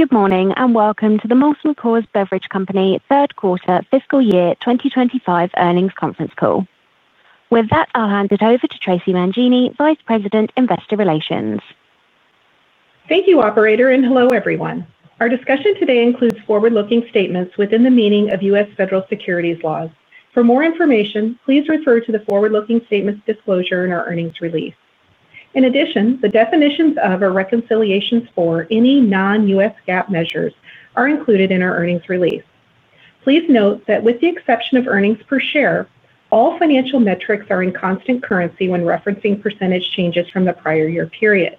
Good morning and welcome to the Molson Coors Beverage Company third quarter fiscal year 2025 earnings conference call. With that, I'll hand it over to Traci Mangini, Vice President, Investor Relations. Thank you, Operator, and hello everyone. Our discussion today includes forward-looking statements within the meaning of U.S. federal securities laws. For more information, please refer to the forward-looking statements disclosure in our earnings release. In addition, the definitions of or reconciliations for any non-U.S. GAAP measures are included in our earnings release. Please note that with the exception of earnings per share, all financial metrics are in constant currency when referencing percentage changes from the prior year period.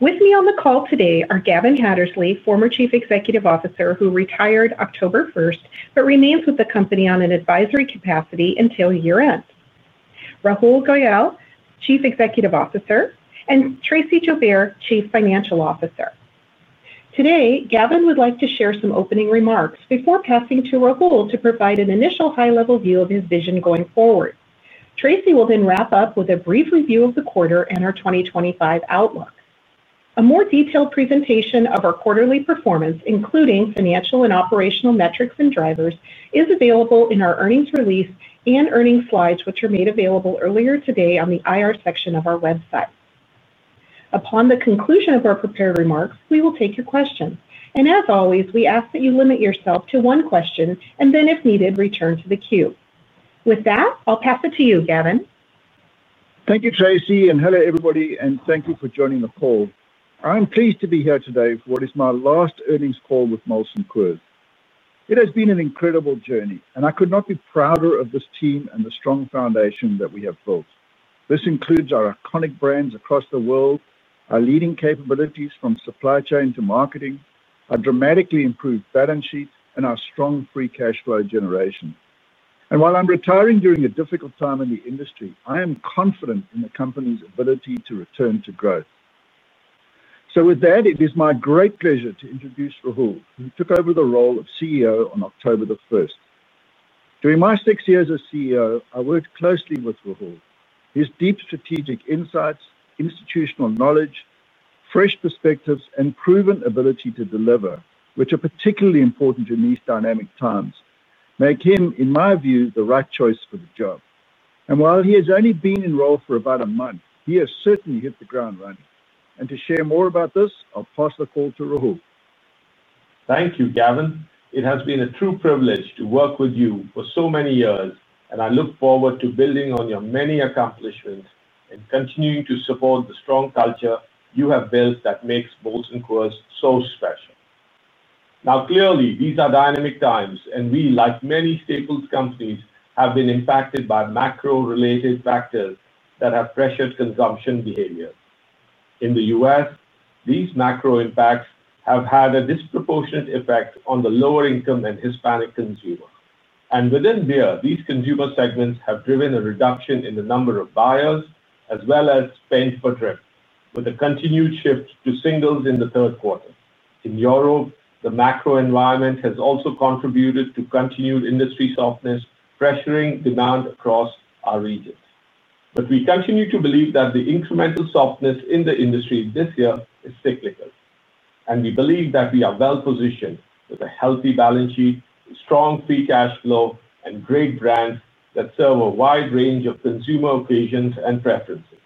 With me on the call today are Gavin Hattersley, former Chief Executive Officer who retired October 1st but remains with the company on an advisory capacity until year-end. Rahul Goyal, Chief Executive Officer, and Tracey Joubert, Chief Financial Officer. Today, Gavin would like to share some opening remarks before passing to Rahul to provide an initial high-level view of his vision going forward. Tracey will then wrap up with a brief review of the quarter and our 2025 outlook. A more detailed presentation of our quarterly performance, including financial and operational metrics and drivers, is available in our earnings release and earnings slides, which are made available earlier today on the IR section of our website. Upon the conclusion of our prepared remarks, we will take your questions. And as always, we ask that you limit yourself to one question and then, if needed, return to the queue. With that, I'll pass it to you, Gavin. Thank you, Traci, and hello everybody, and thank you for joining the call. I'm pleased to be here today for what is my last earnings call with Molson Coors. It has been an incredible journey, and I could not be prouder of this team and the strong foundation that we have built. This includes our iconic brands across the world, our leading capabilities from supply chain to marketing, our dramatically improved balance sheet, and our strong free cash flow generation. And while I'm retiring during a difficult time in the industry, I am confident in the company's ability to return to growth. So with that, it is my great pleasure to introduce Rahul, who took over the role of CEO on October the 1st. During my six years as CEO, I worked closely with Rahul. His deep strategic insights, institutional knowledge, fresh perspectives, and proven ability to deliver, which are particularly important in these dynamic times, make him, in my view, the right choice for the job. And while he has only been in role for about a month, he has certainly hit the ground running. And to share more about this, I'll pass the call to Rahul. Thank you, Gavin. It has been a true privilege to work with you for so many years, and I look forward to building on your many accomplishments and continuing to support the strong culture you have built that makes Molson Coors so special. Now, clearly, these are dynamic times, and we, like many staples companies, have been impacted by macro-related factors that have pressured consumption behavior. In the U.S., these macro impacts have had a disproportionate effect on the lower-income and Hispanic consumer, and within beer, these consumer segments have driven a reduction in the number of buyers as well as spend for drip, with a continued shift to singles in the third quarter. In Europe, the macro environment has also contributed to continued industry softness, pressuring demand across our regions, but we continue to believe that the incremental softness in the industry this year is cyclical, and we believe that we are well-positioned with a healthy balance sheet, strong free cash flow, and great brands that serve a wide range of consumer occasions and preferences.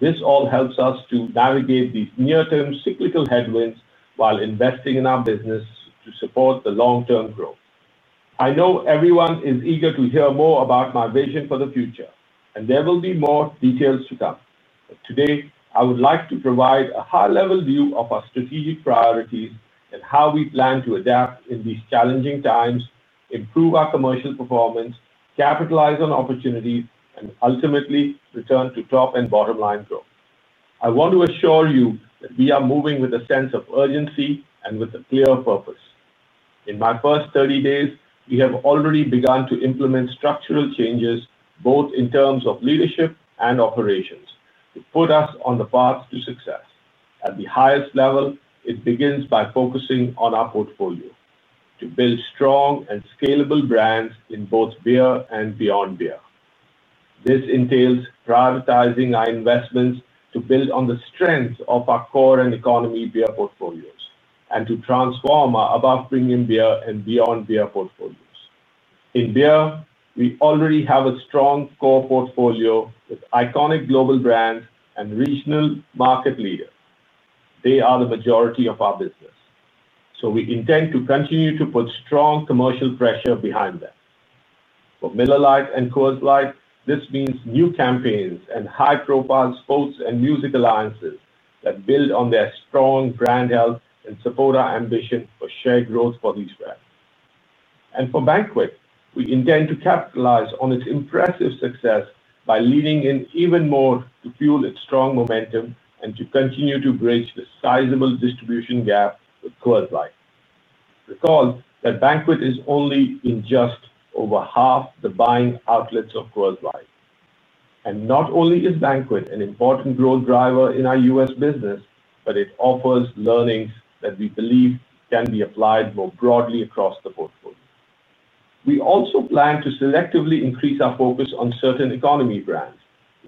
This all helps us to navigate these near-term cyclical headwinds while investing in our business to support the long-term growth. I know everyone is eager to hear more about my vision for the future, and there will be more details to come, but today, I would like to provide a high-level view of our strategic priorities and how we plan to adapt in these challenging times, improve our commercial performance, capitalize on opportunities, and ultimately return to top and bottom-line growth. I want to assure you that we are moving with a sense of urgency and with a clear purpose. In my first 30 days, we have already begun to implement structural changes, both in terms of leadership and operations, to put us on the path to success. At the highest level, it begins by focusing on our portfolio to build strong and scalable brands in both Beer and Beyond Beer. This entails prioritizing our investments to build on the strengths of our core and economy beer portfolios and to transform our above-premium beer and Beyond Beer portfolios. In beer, we already have a strong core portfolio with iconic global brands and regional market leaders. They are the majority of our business, so we intend to continue to put strong commercial pressure behind them. For Miller Lite and Coors Light, this means new campaigns and high-profile sports and music alliances that build on their strong brand health and support our ambition for shared growth for these brands, and for Banquet, we intend to capitalize on its impressive success by leading in even more to fuel its strong momentum and to continue to bridge the sizable distribution gap with Coors Light. Recall that Banquet is only in just over half the buying outlets of Coors Light, and not only is Banquet an important growth driver in our U.S. business, but it offers learnings that we believe can be applied more broadly across the portfolio. We also plan to selectively increase our focus on certain economy brands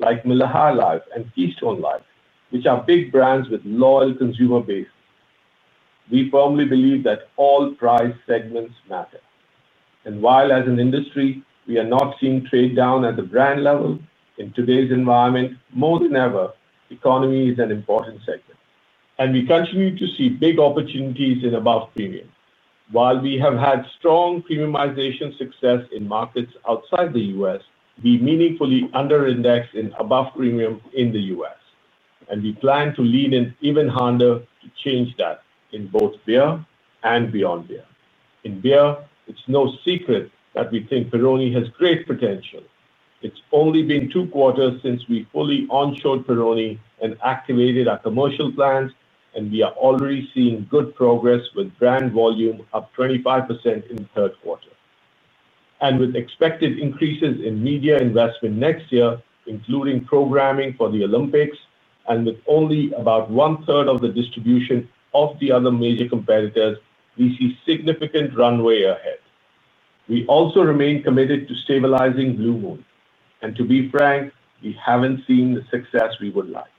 like Miller High Life and Keystone Light, which are big brands with loyal consumer bases. We firmly believe that all price segments matter, and while as an industry, we are not seeing trade down at the brand level, in today's environment, more than ever, economy is an important segment, and we continue to see big opportunities in above premium. While we have had strong premiumization success in markets outside the U.S., we meaningfully underindex in above premium in the U.S., and we plan to lean in even harder to change that in both Beer and Beyond Beer. In beer, it's no secret that we think Peroni has great potential. It's only been two quarters since we fully onshored Peroni and activated our commercial plans, and we are already seeing good progress with brand volume up 25% in the third quarter, and with expected increases in media investment next year, including programming for the Olympics, and with only about one-third of the distribution of the other major competitors, we see significant runway ahead. We also remain committed to stabilizing Blue Moon, and to be frank, we haven't seen the success we would like.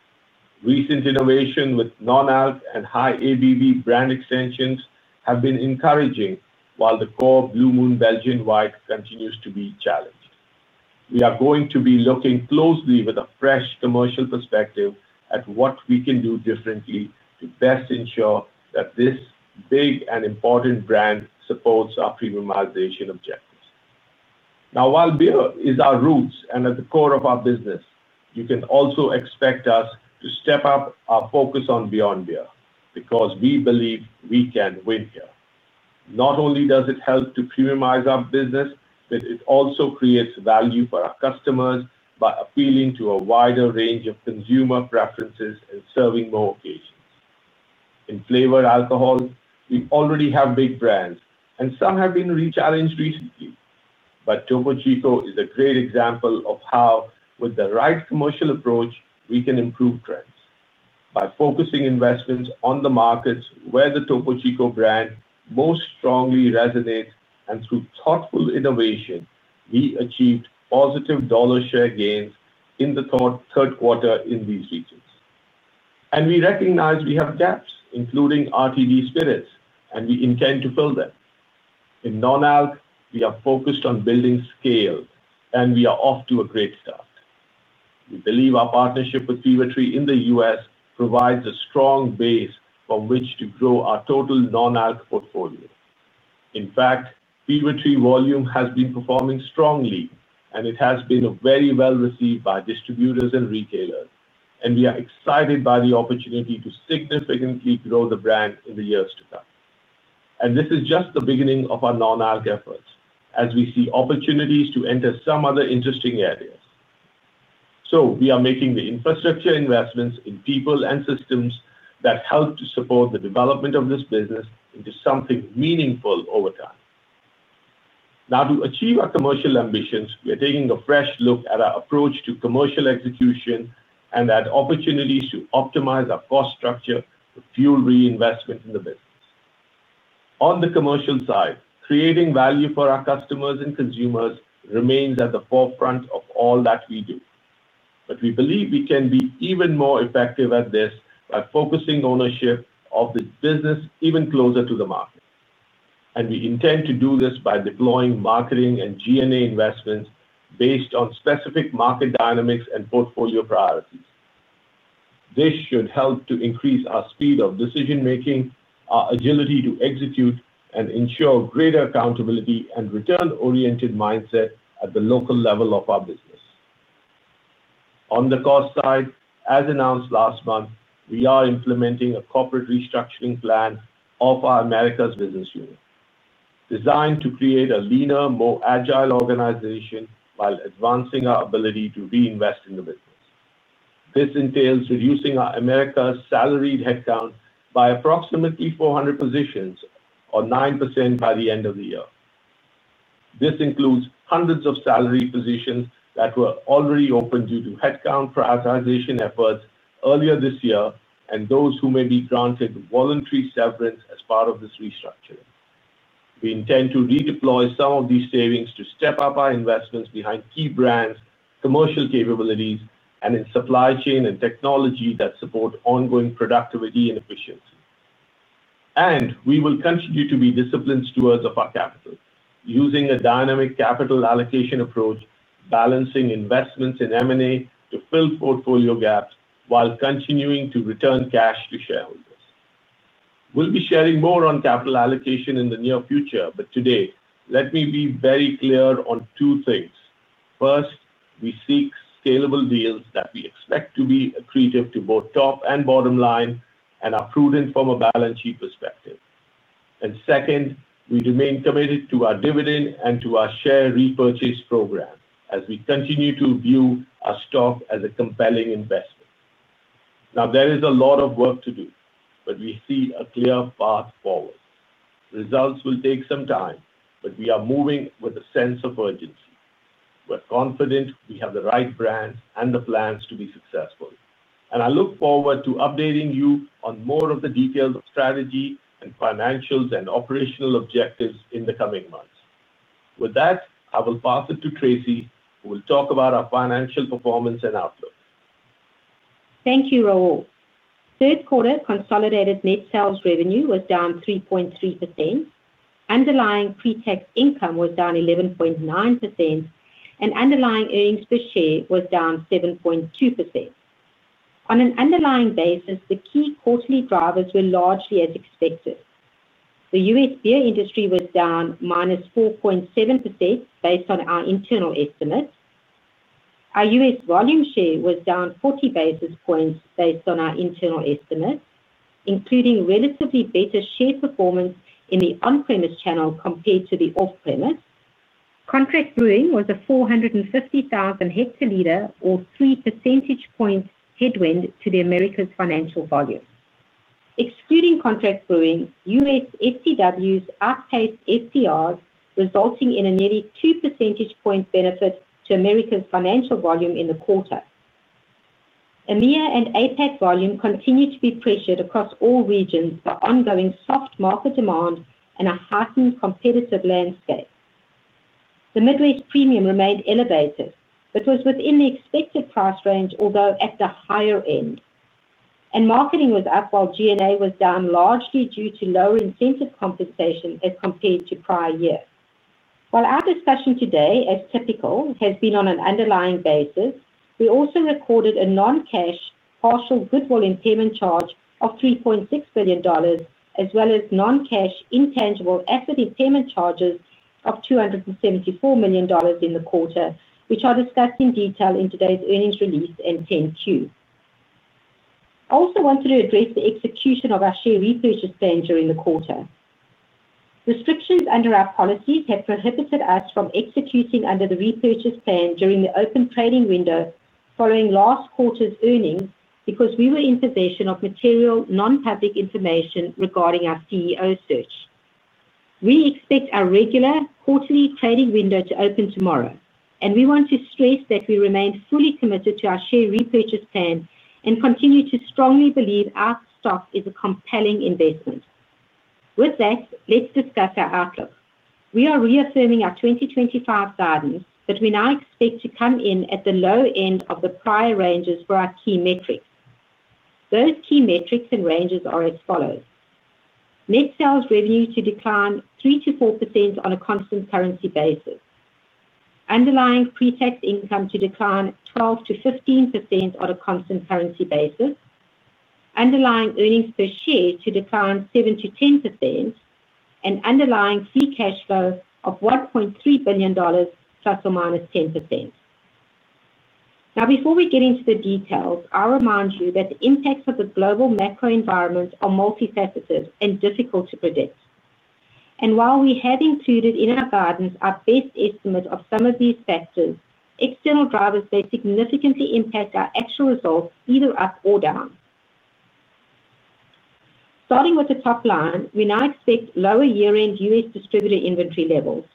Recent innovation with non-alc and high ABV brand extensions have been encouraging while the core Blue Moon Belgian White continues to be challenged. We are going to be looking closely with a fresh commercial perspective at what we can do differently to best ensure that this big and important brand supports our premiumization objectives. Now, while beer is our roots and at the core of our business, you can also expect us to step up our focus on Beyond Beer because we believe we can win here. Not only does it help to premiumize our business, but it also creates value for our customers by appealing to a wider range of consumer preferences and serving more occasions. In flavored alcohol, we already have big brands, and some have been rechallenged recently, but Topo Chico is a great example of how, with the right commercial approach, we can improve trends. By focusing investments on the markets where the Topo Chico brand most strongly resonates and through thoughtful innovation, we achieved positive dollar share gains in the third quarter in these regions, and we recognize we have gaps, including RTD spirits, and we intend to fill them. In non-alc, we are focused on building scale, and we are off to a great start. We believe our partnership with Fever-Tree in the U.S. provides a strong base from which to grow our total non-alc portfolio. In fact, Fever-Tree volume has been performing strongly, and it has been very well received by distributors and retailers, and we are excited by the opportunity to significantly grow the brand in the years to come, and this is just the beginning of our non-alc efforts as we see opportunities to enter some other interesting areas. So we are making the infrastructure investments in people and systems that help to support the development of this business into something meaningful over time. Now, to achieve our commercial ambitions, we are taking a fresh look at our approach to commercial execution and at opportunities to optimize our cost structure for fuel reinvestment in the business. On the commercial side, creating value for our customers and consumers remains at the forefront of all that we do. But we believe we can be even more effective at this by focusing ownership of this business even closer to the market. And we intend to do this by deploying marketing and G&A investments based on specific market dynamics and portfolio priorities. This should help to increase our speed of decision-making, our agility to execute, and ensure greater accountability and return-oriented mindset at the local level of our business. On the cost side, as announced last month, we are implementing a corporate restructuring plan of our Americas business unit, designed to create a leaner, more agile organization while advancing our ability to reinvest in the business. This entails reducing our Americas salaried headcount by approximately 400 positions or 9% by the end of the year. This includes hundreds of salary positions that were already open due to headcount prioritization efforts earlier this year and those who may be granted voluntary severance as part of this restructuring. We intend to redeploy some of these savings to step up our investments behind key brands, commercial capabilities, and in supply chain and technology that support ongoing productivity and efficiency. And we will continue to be disciplined stewards of our capital, using a dynamic capital allocation approach, balancing investments in M&A to fill portfolio gaps while continuing to return cash to shareholders. We'll be sharing more on capital allocation in the near future, but today, let me be very clear on two things. First, we seek scalable deals that we expect to be accretive to both top and bottom line and are prudent from a balance sheet perspective. And second, we remain committed to our dividend and to our share repurchase program as we continue to view our stock as a compelling investment. Now, there is a lot of work to do, but we see a clear path forward. Results will take some time, but we are moving with a sense of urgency. We're confident we have the right brands and the plans to be successful. And I look forward to updating you on more of the details of strategy and financials and operational objectives in the coming months. With that, I will pass it to Tracey, who will talk about our financial performance and outlook. Thank you, Rahul. Third quarter consolidated net sales revenue was down 3.3%. Underlying pre-tax income was down 11.9%, and underlying earnings per share was down 7.2%. On an underlying basis, the key quarterly drivers were largely as expected. The U.S. beer industry was down minus 4.7% based on our internal estimates. Our U.S. volume share was down 40 basis points based on our internal estimates, including relatively better share performance in the on-premise channel compared to the off-premise. Contract brewing was a 450,000 hectoliter or 3 percentage points headwind to the Americas financial volume. Excluding contract brewing, U.S. STWs outpaced STRs, resulting in a nearly 2 percentage points benefit to Americas financial volume in the quarter. EMEA and APAC volume continued to be pressured across all regions for ongoing soft market demand and a heightened competitive landscape. The Midwest premium remained elevated, but was within the expected price range, although at the higher end, and marketing was up while G&A was down largely due to lower incentive compensation as compared to prior years. While our discussion today, as typical, has been on an underlying basis, we also recorded a non-cash partial goodwill impairment charge of $3.6 billion, as well as non-cash intangible asset impairment charges of $274 million in the quarter, which I'll discuss in detail in today's earnings release and 10-Q. I also wanted to address the execution of our share repurchase plan during the quarter. Restrictions under our policies have prohibited us from executing under the repurchase plan during the open trading window following last quarter's earnings because we were in possession of material non-public information regarding our CEO search. We expect our regular quarterly trading window to open tomorrow, and we want to stress that we remain fully committed to our share repurchase plan and continue to strongly believe our stock is a compelling investment. With that, let's discuss our outlook. We are reaffirming our 2025 guidance, but we now expect to come in at the low end of the prior ranges for our key metrics. Those key metrics and ranges are as follows. Net sales revenue to decline 3%-4% on a constant currency basis. Underlying pre-tax income to decline 12%-15% on a constant currency basis. Underlying earnings per share to decline 7%-10%, and underlying free cash flow of $1.3 billion, ±10%. Now, before we get into the details, I'll remind you that the impacts of the global macro environment are multifaceted and difficult to predict, and while we have included in our guidance our best estimate of some of these factors, external drivers may significantly impact our actual results either up or down. Starting with the top line, we now expect lower year-end U.S. distributor inventory levels.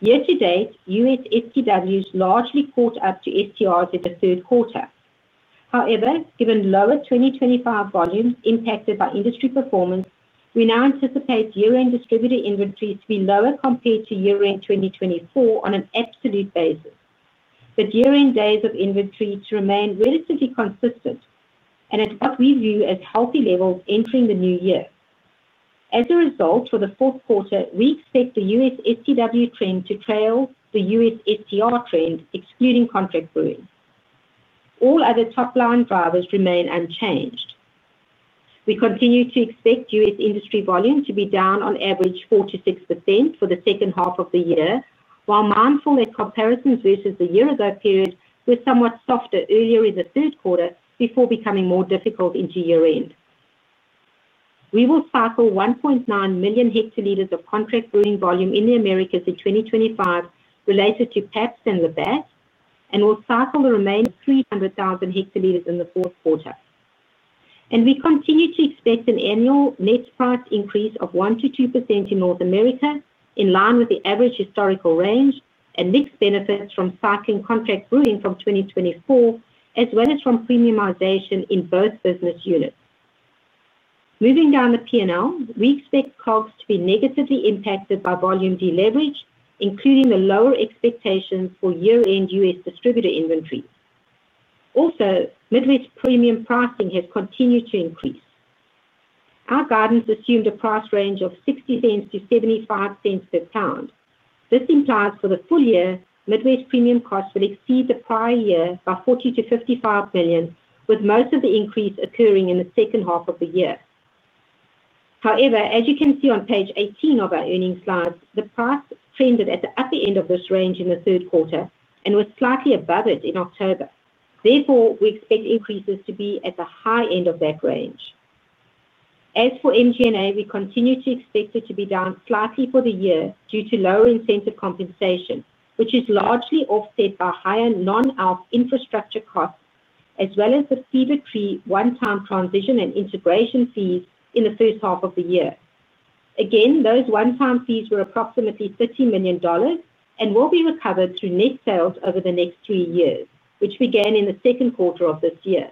Year-to-date, U.S. STWs largely caught up to STRs in the third quarter. However, given lower 2025 volumes impacted by industry performance, we now anticipate year-end distributor inventories to be lower compared to year-end 2024 on an absolute basis, with year-end days of inventory to remain relatively consistent and at what we view as healthy levels entering the new year. As a result, for the fourth quarter, we expect the U.S. STW trend to trail the U.S. STR trend, excluding contract brewing. All other top-line drivers remain unchanged. We continue to expect U.S. industry volume to be down on average 4%-6% for the second half of the year, while mindful that comparisons versus the year-ago period were somewhat softer earlier in the third quarter before becoming more difficult into year-end. We will cycle 1.9 million hectoliters of contract brewing volume in the Americas in 2025 related to Pabst and Labatt, and we'll cycle the remaining 300,000 hectoliters in the fourth quarter, and we continue to expect an annual net price increase of 1%-2% in North America, in line with the average historical range, and mixed benefits from cycling contract brewing from 2024, as well as from premiumization in both business units. Moving down the P&L, we expect COGS to be negatively impacted by volume deleverage, including the lower expectations for year-end U.S. distributor inventories. Also, Midwest premium pricing has continued to increase. Our guidance assumed a price range of $0.60-$0.75 per pound. This implies for the full year, Midwest premium costs will exceed the prior year by $40-$55 million, with most of the increase occurring in the second half of the year. However, as you can see on page 18 of our earnings slide, the price trended at the upper end of this range in the third quarter and was slightly above it in October. Therefore, we expect increases to be at the high end of that range. As for MG&A, we continue to expect it to be down slightly for the year due to lower incentive compensation, which is largely offset by higher non-alc infrastructure costs, as well as the Fever-Tree one-time transition and integration fees in the first half of the year. Again, those one-time fees were approximately $30 million, and will be recovered through net sales over the next three years, which began in the second quarter of this year.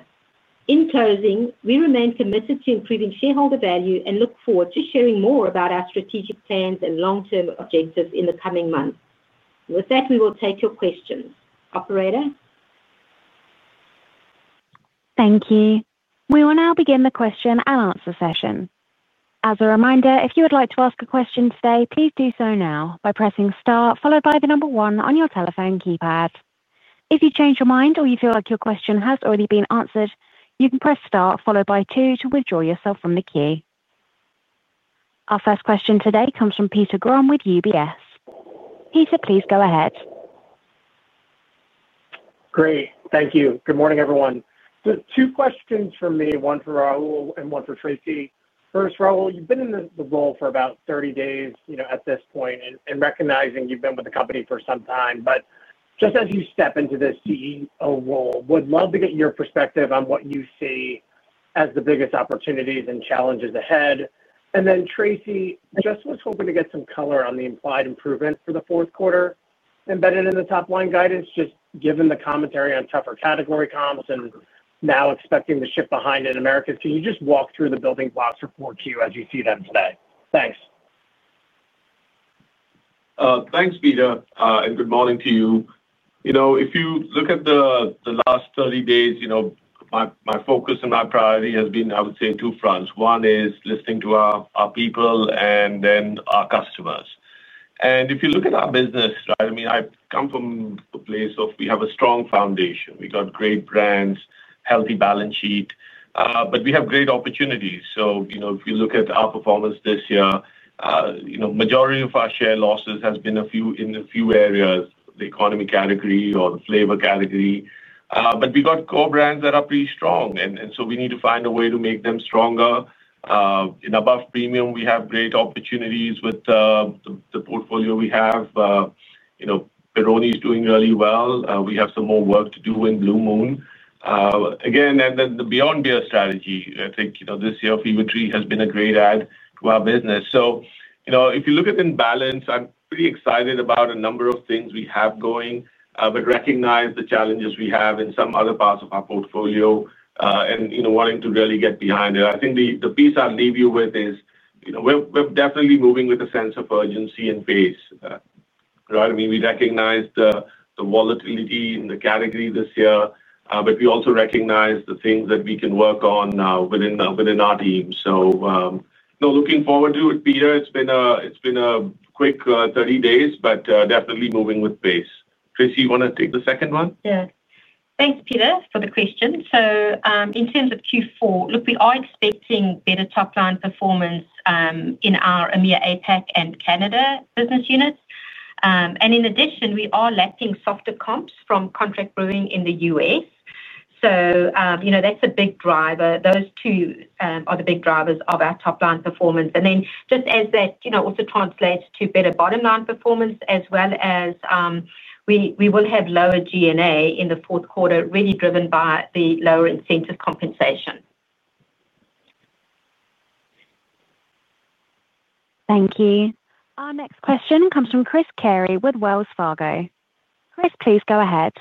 In closing, we remain committed to improving shareholder value and look forward to sharing more about our strategic plans and long-term objectives in the coming months. With that, we will take your questions. Operator. Thank you. We will now begin the question and answer session. As a reminder, if you would like to ask a question today, please do so now by pressing Star, followed by the number one on your telephone keypad. If you change your mind or you feel like your question has already been answered, you can press Star, followed by two, to withdraw yourself from the queue. Our first question today comes from Peter Grom with UBS. Peter, please go ahead. Great. Thank you. Good morning, everyone. So two questions for me, one for Rahul and one for Tracey. First, Rahul, you've been in the role for about 30 days at this point, and recognizing you've been with the company for some time, but just as you step into this CEO role, would love to get your perspective on what you see as the biggest opportunities and challenges ahead. Then Tracey, just was hoping to get some color on the implied improvement for the fourth quarter embedded in the top-line guidance, just given the commentary on tougher category comps and now expecting the shipments behind in Americas. Can you just walk through the building blocks for 4Q as you see them today? Thanks. Thanks, Peter, and good morning to you. If you look at the last 30 days. My focus and my priority has been, I would say, two fronts. One is listening to our people and then our customers. And if you look at our business, right, I mean, I come from a place of we have a strong foundation. We've got great brands, healthy balance sheet, but we have great opportunities. So if you look at our performance this year. The majority of our share losses have been in a few areas, the economy category or the flavor category. But we've got core brands that are pretty strong, and so we need to find a way to make them stronger. In above premium, we have great opportunities with the portfolio we have. Peroni is doing really well. We have some more work to do in Blue Moon. Again, and then the Beyond Beer strategy, I think this year of Fever-Tree has been a great add to our business. So if you look at in balance, I'm pretty excited about a number of things we have going, but recognize the challenges we have in some other parts of our portfolio and wanting to really get behind it. I think the piece I'll leave you with is. We're definitely moving with a sense of urgency and pace. Right? I mean, we recognize the volatility in the category this year, but we also recognize the things that we can work on within our team. So. Looking forward to it, Peter. It's been a quick 30 days, but definitely moving with pace. Tracey, you want to take the second one? Yeah. Thanks, Peter, for the question. So in terms of Q4, look, we are expecting better top-line performance in our EMEA, APAC, and Canada business units. And in addition, we are lapping softer comps from contract brewing in the U.S. So that's a big driver. Those two are the big drivers of our top-line performance. And then just as that also translates to better bottom-line performance, as well as. We will have lower G&A in the fourth quarter, really driven by the lower incentive compensation. Thank you. Our next question comes from Chris Carey with Wells Fargo. Chris, please go ahead.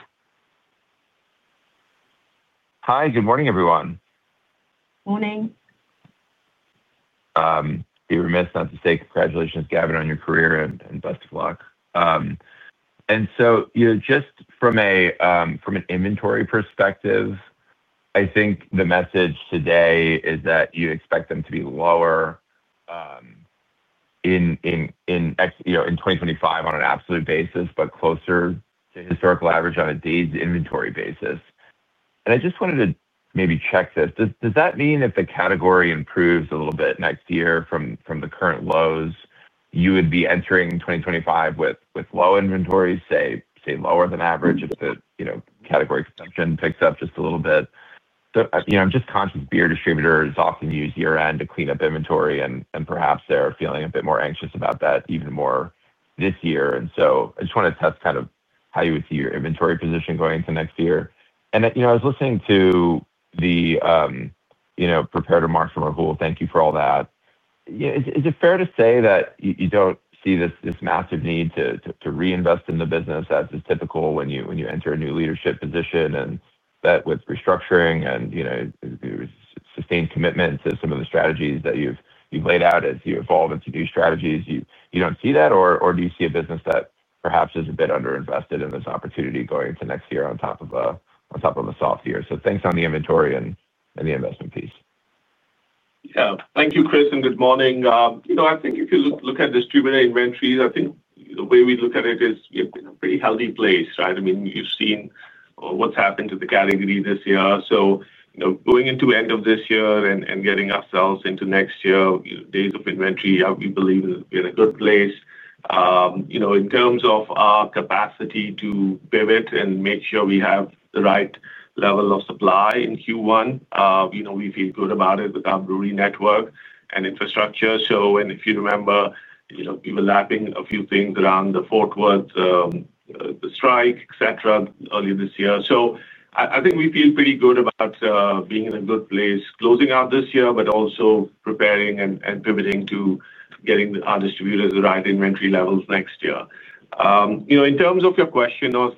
Hi. Good morning, everyone. Morning. You were missed, not to say congratulations, Gavin, on your career and best of luck. And so just from an inventory perspective, I think the message today is that you expect them to be lower in 2025 on an absolute basis, but closer to historical average on a day's inventory basis. And I just wanted to maybe check this. Does that mean if the category improves a little bit next year from the current lows, you would be entering 2025 with low inventory, say, lower than average, if the category consumption picks up just a little bit? So I'm just conscious beer distributors often use year-end to clean up inventory, and perhaps they're feeling a bit more anxious about that even more this year. And so I just want to test kind of how you would see your inventory position going into next year. And I was listening to the prepared remarks from Rahul. Thank you for all that. Is it fair to say that you don't see this massive need to reinvest in the business as is typical when you enter a new leadership position and that with restructuring and sustained commitment to some of the strategies that you've laid out as you evolve into new strategies? You don't see that, or do you see a business that perhaps is a bit underinvested in this opportunity going into next year on top of a soft year? So thanks on the inventory and the investment piece. Yeah. Thank you, Chris, and good morning. I think if you look at distributor inventories, I think the way we look at it is we're in a pretty healthy place, right? I mean, you've seen what's happened to the category this year. So going into the end of this year and getting ourselves into next year, days of inventory, we believe we're in a good place. In terms of our capacity to pivot and make sure we have the right level of supply in Q1, we feel good about it with our brewery network and infrastructure. So if you remember, we were lapping a few things around the Fort Worth strike, etc., earlier this year. So I think we feel pretty good about being in a good place, closing out this year, but also preparing and pivoting to getting our distributors the right inventory levels next year. In terms of your question of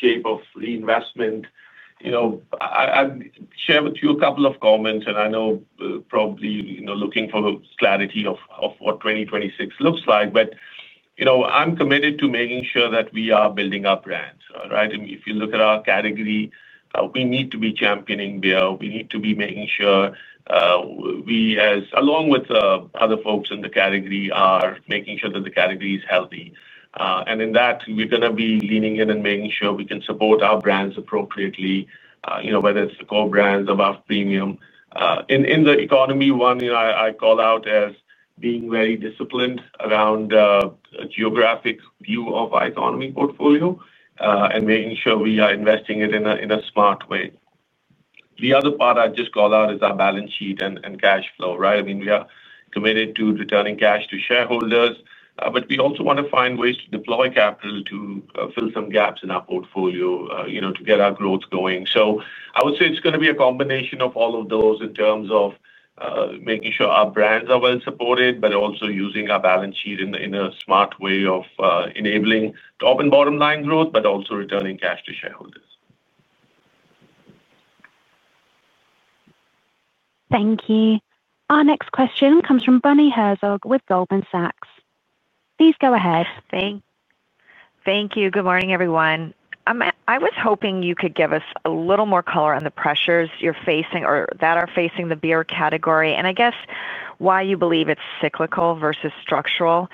shape of reinvestment, I'll share with you a couple of comments, and I know probably you're looking for clarity of what 2026 looks like, but I'm committed to making sure that we are building our brand, right? If you look at our category, we need to be championing beer. We need to be making sure we, along with other folks in the category, are making sure that the category is healthy. And in that, we're going to be leaning in and making sure we can support our brands appropriately, whether it's the core brands above premium in the economy one, I call out as being very disciplined around a geographic view of our economy portfolio and making sure we are investing it in a smart way. The other part I'd just call out is our balance sheet and cash flow, right? I mean, we are committed to returning cash to shareholders, but we also want to find ways to deploy capital to fill some gaps in our portfolio to get our growth going. So I would say it's going to be a combination of all of those in terms of making sure our brands are well supported, but also using our balance sheet in a smart way of enabling top and bottom line growth, but also returning cash to shareholders. Thank you. Our next question comes from Bonnie Herzog with Goldman Sachs. Please go ahead. Thank you. Good morning, everyone. I was hoping you could give us a little more color on the pressures you're facing or that are facing the beer category and, I guess, why you believe it's cyclical versus structural.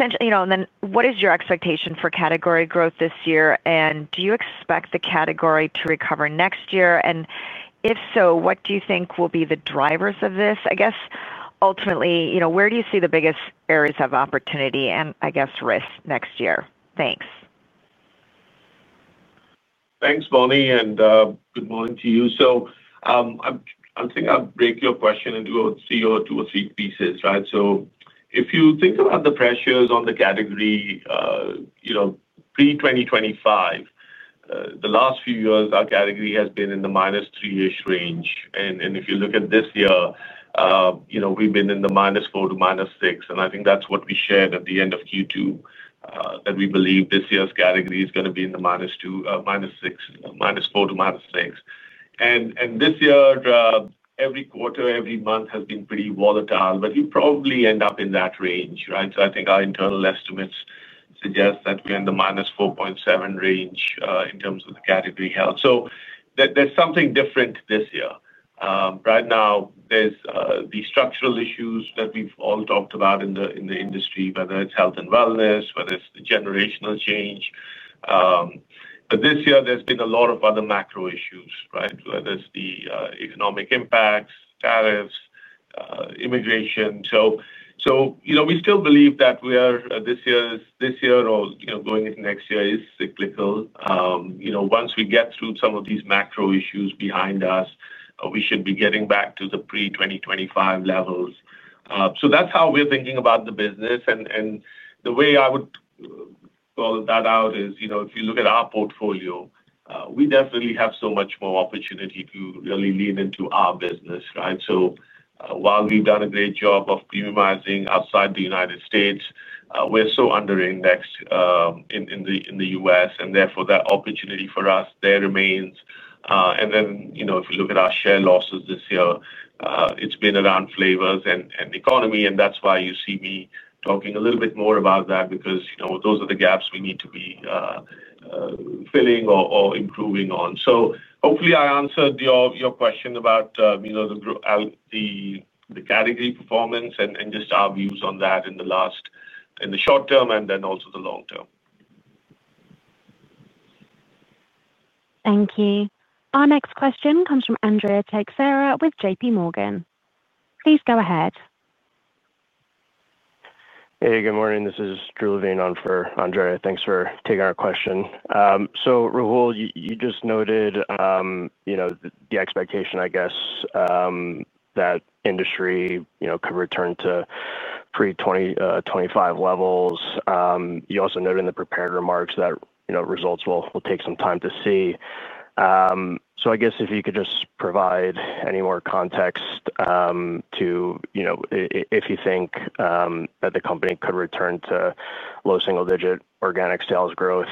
And then what is your expectation for category growth this year? And do you expect the category to recover next year? And if so, what do you think will be the drivers of this? I guess, ultimately, where do you see the biggest areas of opportunity and, I guess, risk next year? Thanks. Thanks, Bonnie, and good morning to you. So I think I'll break your question into two or three pieces, right? So if you think about the pressures on the category pre-2025, the last few years, our category has been in the minus three-ish range. And if you look at this year, we've been in the minus four to minus six. And I think that's what we shared at the end of Q2, that we believe this year's category is going to be in the minus four to minus six. And this year, every quarter, every month has been pretty volatile, but we probably end up in that range, right? So I think our internal estimates suggest that we're in the -4.7 range in terms of the category health. So there's something different this year. Right now, there's the structural issues that we've all talked about in the industry, whether it's health and wellness, whether it's the generational change. But this year, there's been a lot of other macro issues, right? Whether it's the economic impacts, tariffs, immigration. So we still believe that this year or going into next year is cyclical. Once we get through some of these macro issues behind us, we should be getting back to the pre-2025 levels. So that's how we're thinking about the business. And the way I would call that out is if you look at our portfolio, we definitely have so much more opportunity to really lean into our business, right? So while we've done a great job of premiumizing outside the United States, we're so underindexed in the U.S. And therefore, that opportunity for us there remains. And then if you look at our share losses this year, it's been around flavors and economy. And that's why you see me talking a little bit more about that, because those are the gaps we need to be filling or improving on. So hopefully, I answered your question about the category performance and just our views on that in the short term and then also the long term. Thank you. Our next question comes from Andrea Teixeira with JPMorgan. Please go ahead. Hey, good morning. This is Drew Levine on for Andrea. Thanks for taking our question. So Rahul, you just noted the expectation, I guess, that industry could return to pre-2025 levels. You also noted in the prepared remarks that results will take some time to see. So I guess if you could just provide any more context to if you think that the company could return to low single-digit organic sales growth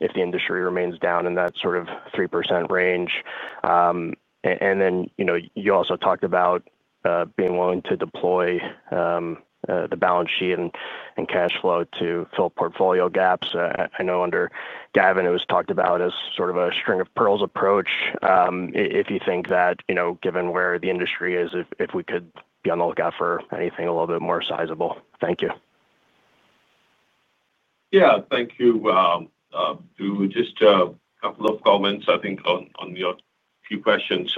if the industry remains down in that sort of 3% range. And then you also talked about being willing to deploy the balance sheet and cash flow to fill portfolio gaps. I know under Gavin, it was talked about as sort of a string of pearls approach. If you think that, given where the industry is, if we could be on the lookout for anything a little bit more sizable. Thank you. Yeah. Thank you. Drew, just a couple of comments, I think, on your few questions.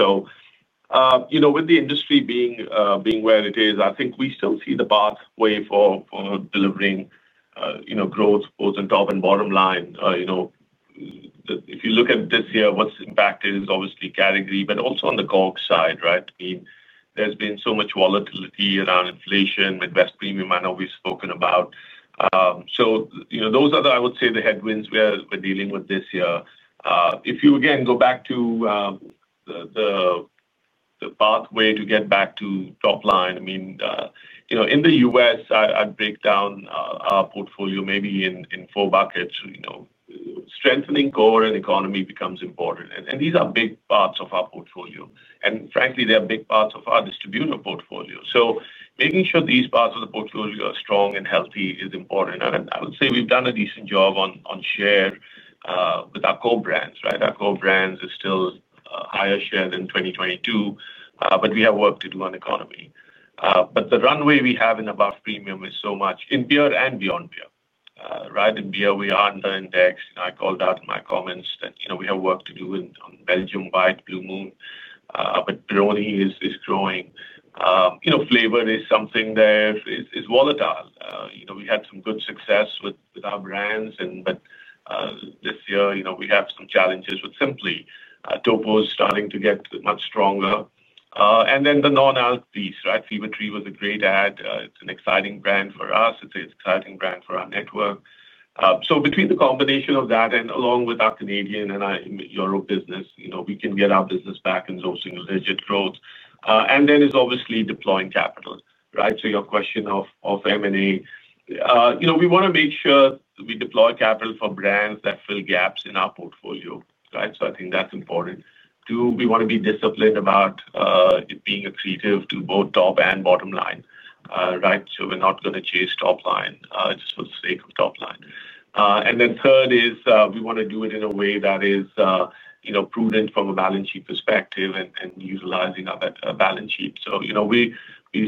So, with the industry being where it is, I think we still see the pathway for delivering growth both in top and bottom line. If you look at this year, what's impacted is obviously category, but also on the COGS side, right? I mean, there's been so much volatility around inflation. Midwest premium I know we've spoken about. So those are, I would say, the headwinds we're dealing with this year. If you, again, go back to the pathway to get back to top line, I mean, in the U.S., I'd break down our portfolio maybe in four buckets. Strengthening core and economy becomes important. And these are big parts of our portfolio. And frankly, they are big parts of our distributor portfolio. So making sure these parts of the portfolio are strong and healthy is important. And I would say we've done a decent job on share with our core brands, right? Our core brands are still higher share than 2022, but we have work to do on economy. But the runway we have in above premium is so much in Beer and Beyond Beer, right? In beer, we are underindexed. I called out in my comments that we have work to do on Belgian White Blue Moon, but Peroni is growing. Flavor is something that is volatile. We had some good success with our brands, but this year we have some challenges with Simply. Topo is starting to get much stronger. And then the non-alc piece, right? Fever-Tree was a great ad. It's an exciting brand for us. It's an exciting brand for our network. So between the combination of that and along with our Canadian and our Europe business, we can get our business back in those single-digit growth. And then it's obviously deploying capital, right? So your question of M&A. We want to make sure we deploy capital for brands that fill gaps in our portfolio, right? So I think that's important. Two, we want to be disciplined about being accretive to both top and bottom line, right? So we're not going to chase top line just for the sake of top line. And then third is we want to do it in a way that is prudent from a balance sheet perspective and utilizing our balance sheet. So we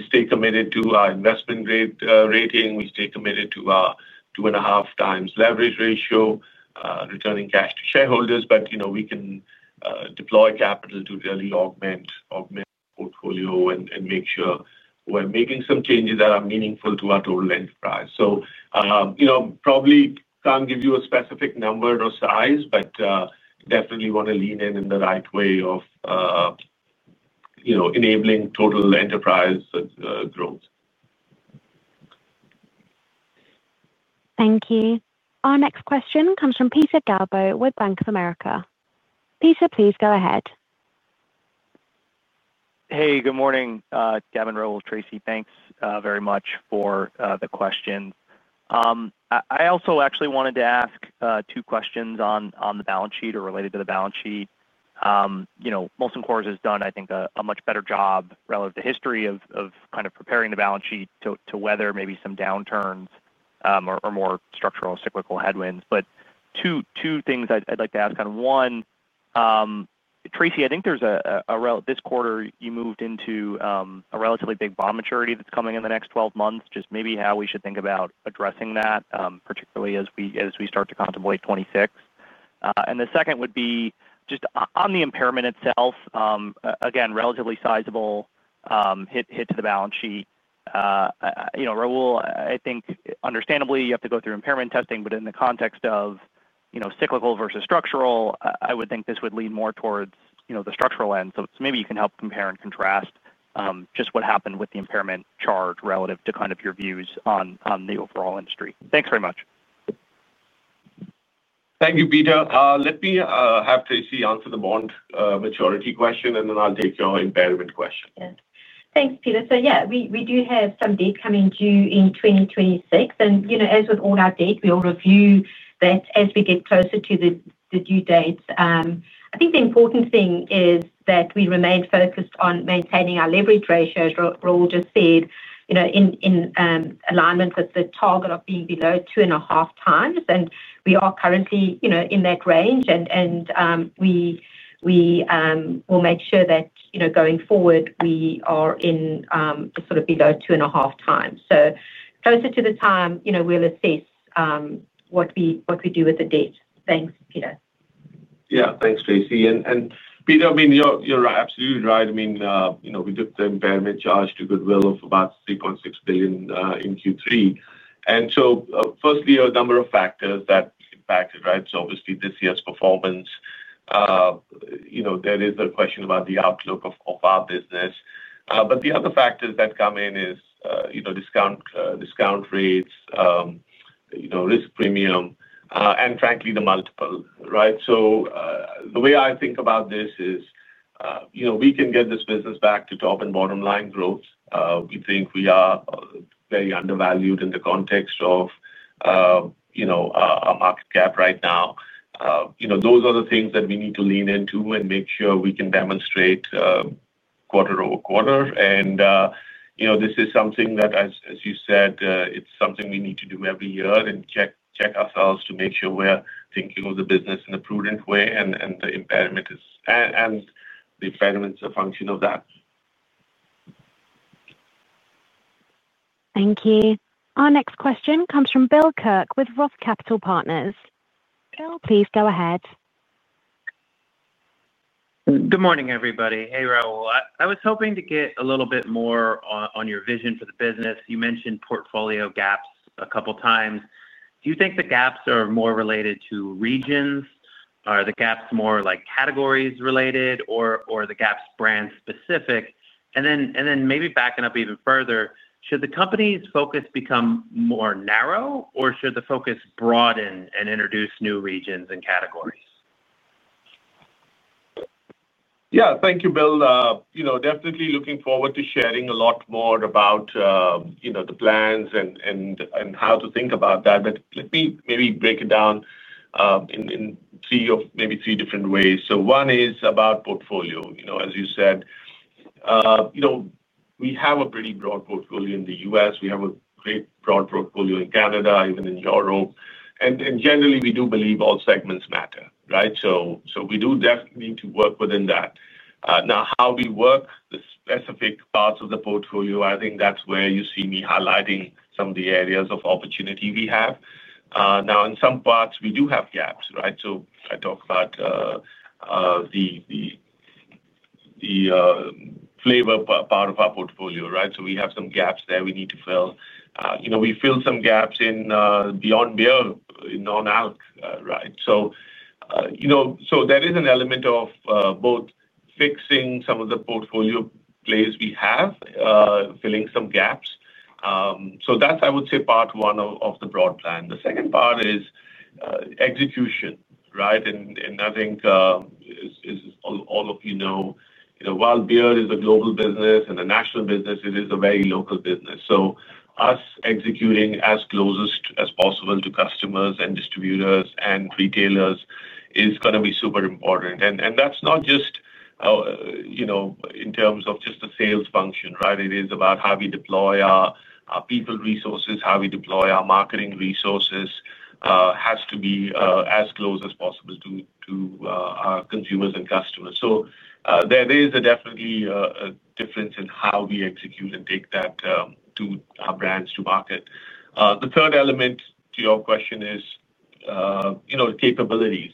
stay committed to our investment rating. We stay committed to our two and a half times leverage ratio, returning cash to shareholders. But we can deploy capital to really augment portfolio and make sure we're making some changes that are meaningful to our total enterprise. So, probably can't give you a specific number or size, but definitely want to lean in in the right way of enabling total enterprise growth. Thank you. Our next question comes from Peter Galbo with Bank of America. Peter, please go ahead. Hey, good morning. Gavin, Rahul, Tracey, thanks very much for the questions. I also actually wanted to ask two questions on the balance sheet or related to the balance sheet. Molson Coors has done, I think, a much better job relative to history of kind of preparing the balance sheet to weather maybe some downturns or more structural cyclical headwinds. But two things I'd like to ask on one. Tracey, I think there's a this quarter, you moved into a relatively big bond maturity that's coming in the next 12 months, just maybe how we should think about addressing that, particularly as we start to contemplate 2026. And the second would be just on the impairment itself, again, relatively sizable hit to the balance sheet. Rahul, I think understandably, you have to go through impairment testing, but in the context of cyclical versus structural, I would think this would lean more towards the structural end. So maybe you can help compare and contrast just what happened with the impairment charge relative to kind of your views on the overall industry. Thanks very much. Thank you, Peter. Let me have Tracey answer the bond maturity question, and then I'll take your impairment question. Thanks, Peter. So yeah, we do have some debt coming due in 2026. And as with all our debt, we'll review that as we get closer to the due dates. I think the important thing is that we remain focused on maintaining our leverage ratios, Rahul just said. In alignment with the target of being below two and a half times. And we are currently in that range, and we will make sure that going forward, we are in sort of below two and a half times. So closer to the time, we'll assess what we do with the debt. Thanks, Peter. Yeah, thanks, Tracey. And Peter, I mean, you're absolutely right. I mean, we took the impairment charge to goodwill of about $3.6 billion in Q3. And so firstly, a number of factors that impacted, right? So obviously, this year's performance. There is a question about the outlook of our business. But the other factors that come in is discount rates. Risk premium, and frankly, the multiple, right? So the way I think about this is. We can get this business back to top and bottom line growth. We think we are very undervalued in the context of. Our market cap right now. Those are the things that we need to lean into and make sure we can demonstrate. Quarter-over-quarter. And. This is something that, as you said, it's something we need to do every year and check ourselves to make sure we're thinking of the business in a prudent way and the impairment is a function of that. Thank you. Our next question comes from Bill Kirk with Roth Capital Partners. Bill, please go ahead. Good morning, everybody. Hey, Rahul. I was hoping to get a little bit more on your vision for the business. You mentioned portfolio gaps a couple of times. Do you think the gaps are more related to regions? Are the gaps more categories related, or are the gaps brand specific? And then maybe backing up even further, should the company's focus become more narrow, or should the focus broaden and introduce new regions and categories? Yeah, thank you, Bill. Definitely looking forward to sharing a lot more about the plans and how to think about that. But let me maybe break it down in maybe three different ways. So one is about portfolio. As you said, we have a pretty broad portfolio in the U.S. We have a great broad portfolio in Canada, even in Europe and generally we do believe all segments matter, right? So we do definitely need to work within that. Now, how we work the specific parts of the portfolio, I think that's where you see me highlighting some of the areas of opportunity we have. Now, in some parts, we do have gaps, right? So I talked about the flavor part of our portfolio, right? So we have some gaps there we need to fill. We fill some gaps in Beyond Beer, in non-alc, right? So there is an element of both fixing some of the portfolio plays we have, filling some gaps. So that's, I would say, part one of the broad plan. The second part is execution, right? And I think all of you know, while beer is a global business and a national business, it is a very local business. So us executing as closest as possible to customers and distributors and retailers is going to be super important. And that's not just in terms of just the sales function, right? It is about how we deploy our people resources, how we deploy our marketing resources has to be as close as possible to our consumers and customers. So there is definitely a difference in how we execute and take that to our brands to market. The third element to your question is capabilities.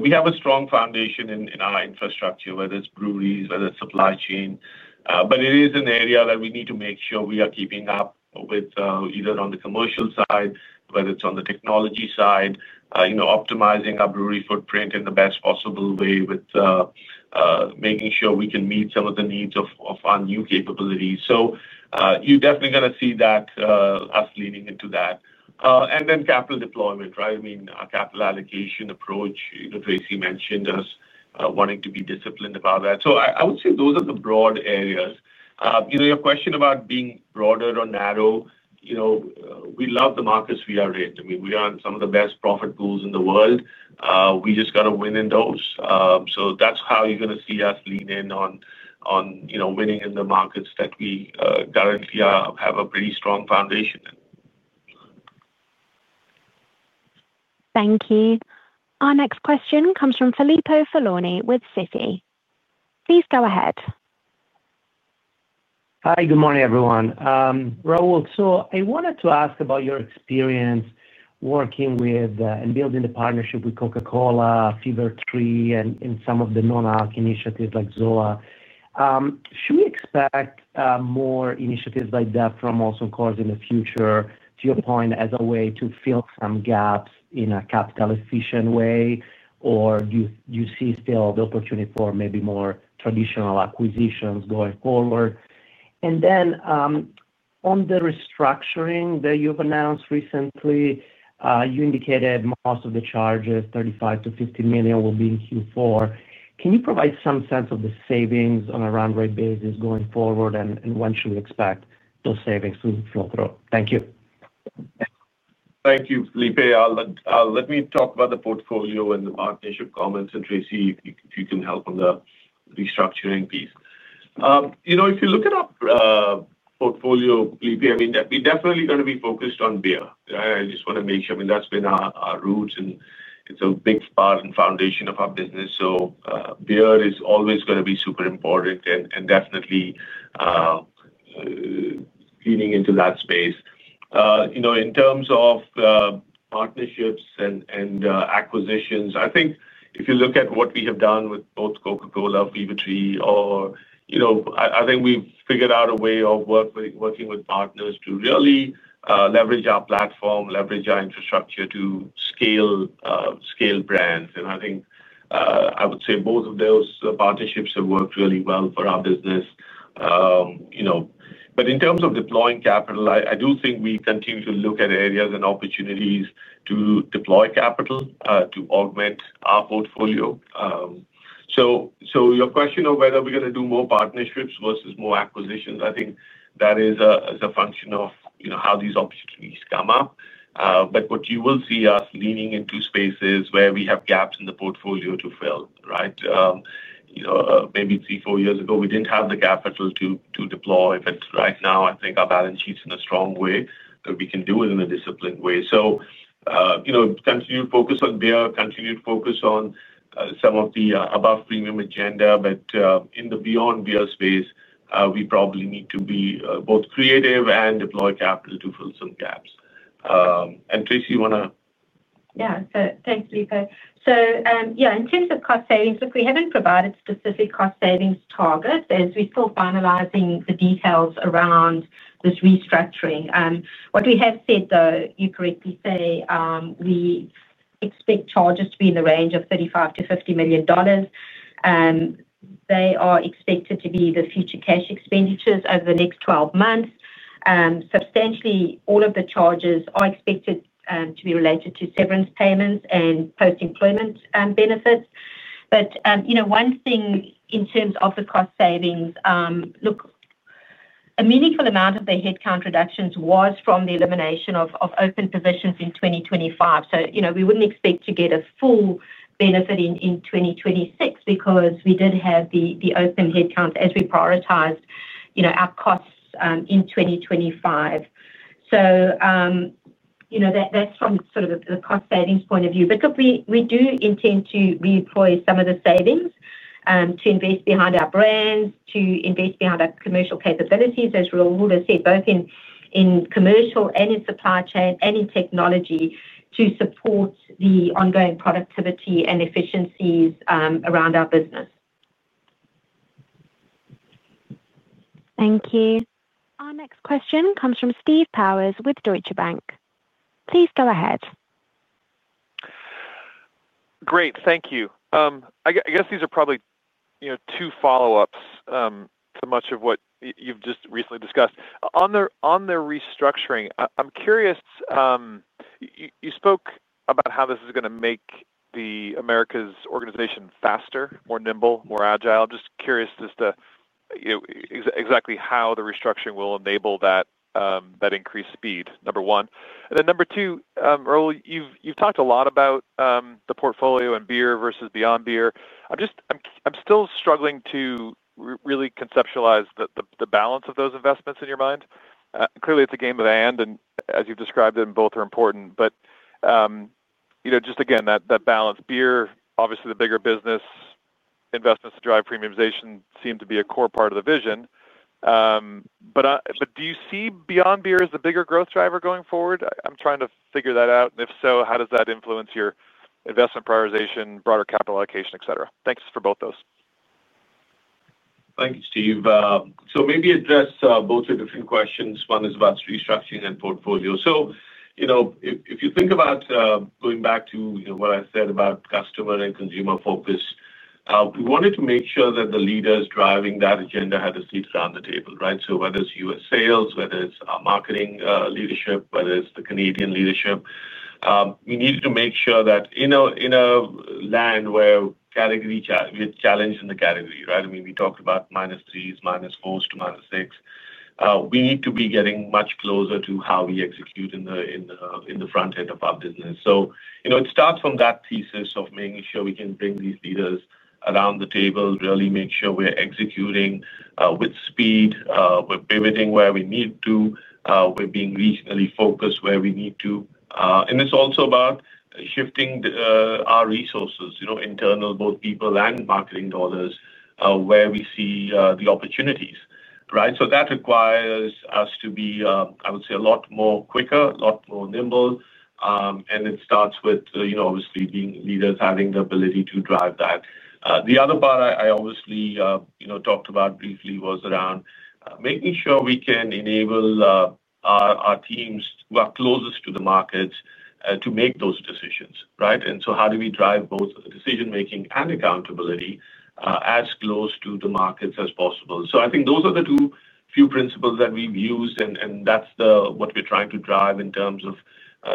We have a strong foundation in our infrastructure, whether it's breweries, whether it's supply chain. But it is an area that we need to make sure we are keeping up with either on the commercial side, whether it's on the technology side, optimizing our brewery footprint in the best possible way with making sure we can meet some of the needs of our new capabilities. So you're definitely going to see that us leaning into that. And then capital deployment, right? I mean, our capital allocation approach, Tracey mentioned us wanting to be disciplined about that. So I would say those are the broad areas. Your question about being broader or narrow. We love the markets we are in. I mean, we are on some of the best profit pools in the world. We just got to win in those. So that's how you're going to see us lean in on winning in the markets that we currently have a pretty strong foundation in. Thank you. Our next question comes from Filippo Falorni with Citi. Please go ahead. Hi, good morning, everyone. Rahul, so I wanted to ask about your experience working with and building the partnership with Coca-Cola, Fever-Tree, and some of the non-alc initiatives like ZOA. Should we expect more initiatives like that from Molson Coors in the future, to your point, as a way to fill some gaps in a capital-efficient way, or do you see still the opportunity for maybe more traditional acquisitions going forward? And then on the restructuring that you've announced recently. You indicated most of the charges, $35 million-$50 million, will be in Q4. Can you provide some sense of the savings on a run-rate basis going forward, and when should we expect those savings to flow through? Thank you. Thank you, Filippo. Let me talk about the portfolio and the partnership comments, and Tracey, if you can help on the restructuring piece. If you look at our portfolio, Filippo, I mean, we're definitely going to be focused on beer. I just want to make sure. I mean, that's been our roots, and it's a big part and foundation of our business. So beer is always going to be super important and definitely leaning into that space. In terms of partnerships and acquisitions, I think if you look at what we have done with both Coca-Cola, Fever-Tree, or I think we've figured out a way of working with partners to really leverage our platform, leverage our infrastructure to scale brands. And I think I would say both of those partnerships have worked really well for our business. But in terms of deploying capital, I do think we continue to look at areas and opportunities to deploy capital to augment our portfolio. So your question of whether we're going to do more partnerships versus more acquisitions, I think that is a function of how these opportunities come up. But what you will see us leaning into spaces where we have gaps in the portfolio to fill, right? Maybe three, four years ago, we didn't have the capital to deploy. But right now, I think our balance sheet's in a strong way. We can do it in a disciplined way. So continue to focus on beer, continue to focus on some of the above premium agenda. But in the Beyond Beer space, we probably need to be both creative and deploy capital to fill some gaps. And Tracey, you want to? Yeah, thanks, Filippo. So yeah, in terms of cost savings, look, we haven't provided specific cost savings targets, as we're still finalizing the details around this restructuring. What we have said, though, you correctly say. We expect charges to be in the range of $35-$50 million. They are expected to be the future cash expenditures over the next 12 months. Substantially all of the charges are expected to be related to severance payments and post-employment benefits. But one thing in terms of the cost savings, look. A meaningful amount of the headcount reductions was from the elimination of open positions in 2025. So we wouldn't expect to get a full benefit in 2026 because we did have the open headcount as we prioritized our costs in 2025. So that's from sort of the cost savings point of view. But look, we do intend to redeploy some of the savings to invest behind our brands, to invest behind our commercial capabilities, as Rahul would have said, both in commercial and in supply chain and in technology to support the ongoing productivity and efficiencies around our business. Thank you. Our next question comes from Steve Powers with Deutsche Bank. Please go ahead. Great. Thank you. I guess these are probably two follow-ups to much of what you've just recently discussed. On the restructuring, I'm curious. You spoke about how this is going to make Americas organization faster, more nimble, more agile. I'm just curious as to exactly how the restructuring will enable that. Increased speed, number one. And then number two, Rahul, you've talked a lot about the portfolio and beer versus Beyond Beer. I'm still struggling to really conceptualize the balance of those investments in your mind. Clearly, it's a game of and and as you've described it, and both are important. But just again, that balance, beer, obviously the bigger business. Investments to drive premiumization seem to be a core part of the vision. But do you see Beyond Beer as the bigger growth driver going forward? I'm trying to figure that out. And if so, how does that influence your investment prioritization, broader capital allocation, etc.? Thanks for both those. Thank you, Steve. So maybe address both your different questions. One is about restructuring and portfolio. So. If you think about going back to what I said about customer and consumer focus. We wanted to make sure that the leaders driving that agenda had a seat around the table, right? So whether it's U.S. sales, whether it's our marketing leadership, whether it's the Canadian leadership. We needed to make sure that in a land where we're challenged in the category, right? I mean, we talked about minus threes, minus fours, to minus six. We need to be getting much closer to how we execute in the front end of our business. So it starts from that thesis of making sure we can bring these leaders around the table, really make sure we're executing with speed. We're pivoting where we need to. We're being regionally focused where we need to. And it's also about shifting our resources, internal, both people and marketing dollars, where we see the opportunities, right? So that requires us to be, I would say, a lot more quicker, a lot more nimble. And it starts with, obviously, being leaders, having the ability to drive that. The other part I obviously talked about briefly was around making sure we can enable. Our teams who are closest to the markets to make those decisions, right? And so how do we drive both decision-making and accountability as close to the markets as possible? So I think those are the two few principles that we've used, and that's what we're trying to drive in terms of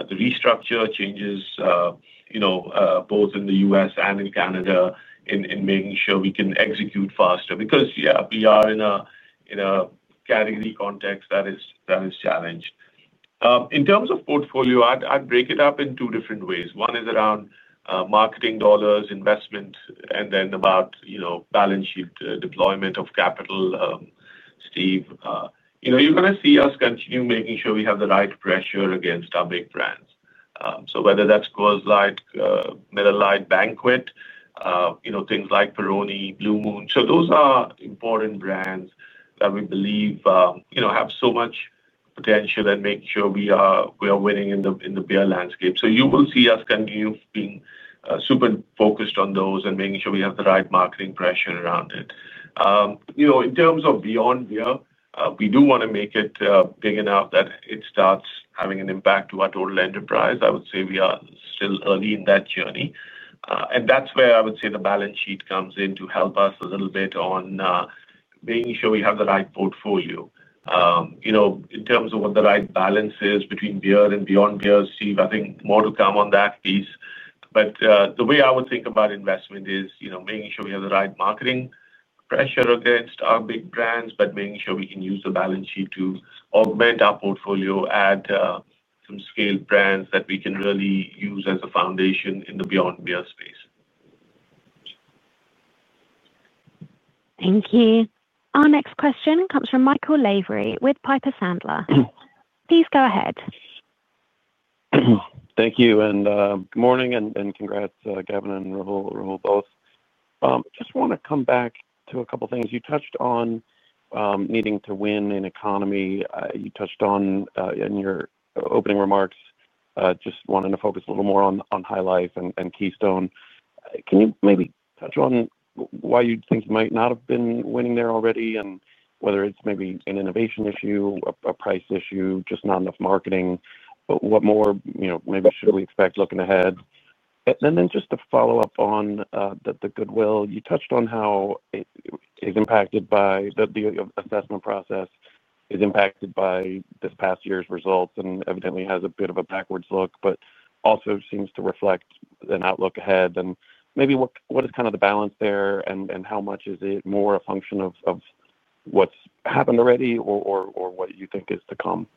the restructure changes. Both in the U.S. and in Canada, in making sure we can execute faster because, yeah, we are in a. Category context that is challenged. In terms of portfolio, I'd break it up in two different ways. One is around marketing dollars, investment, and then about. Balance sheet deployment of capital. Steve, you're going to see us continue making sure we have the right pressure against our big brands. So whether that's Coors Light, Miller Lite Banquet, things like Peroni, Blue Moon. So those are important brands that we believe have so much potential and make sure we are winning in the beer landscape. So you will see us continue being super focused on those and making sure we have the right marketing pressure around it. In terms of Beyond Beer, we do want to make it big enough that it starts having an impact to our total enterprise. I would say we are still early in that journey. And that's where I would say the balance sheet comes in to help us a little bit on. Making sure we have the right portfolio. In terms of what the right balance is between Beer and Beyond Beer, Steve, I think more to come on that piece. But the way I would think about investment is making sure we have the right marketing pressure against our big brands, but making sure we can use the balance sheet to augment our portfolio. Some scale brands that we can really use as a foundation in the Beyond Beer space. Thank you. Our next question comes from Michael Lavery with Piper Sandler. Please go ahead. Thank you. And good morning and congrats, Gavin and Rahul both. I just want to come back to a couple of things you touched on. Needing to win in economy. You touched on, in your opening remarks, just wanting to focus a little more on High Life and Keystone. Can you maybe touch on why you think you might not have been winning there already and whether it's maybe an innovation issue, a price issue, just not enough marketing? But what more maybe should we expect looking ahead? And then just to follow up on the goodwill, you touched on how it's impacted by the assessment process, is impacted by this past year's results, and evidently has a bit of a backwards look, but also seems to reflect an outlook ahead. And maybe what is kind of the balance there and how much is it more a function of what's happened already or what you think is to come?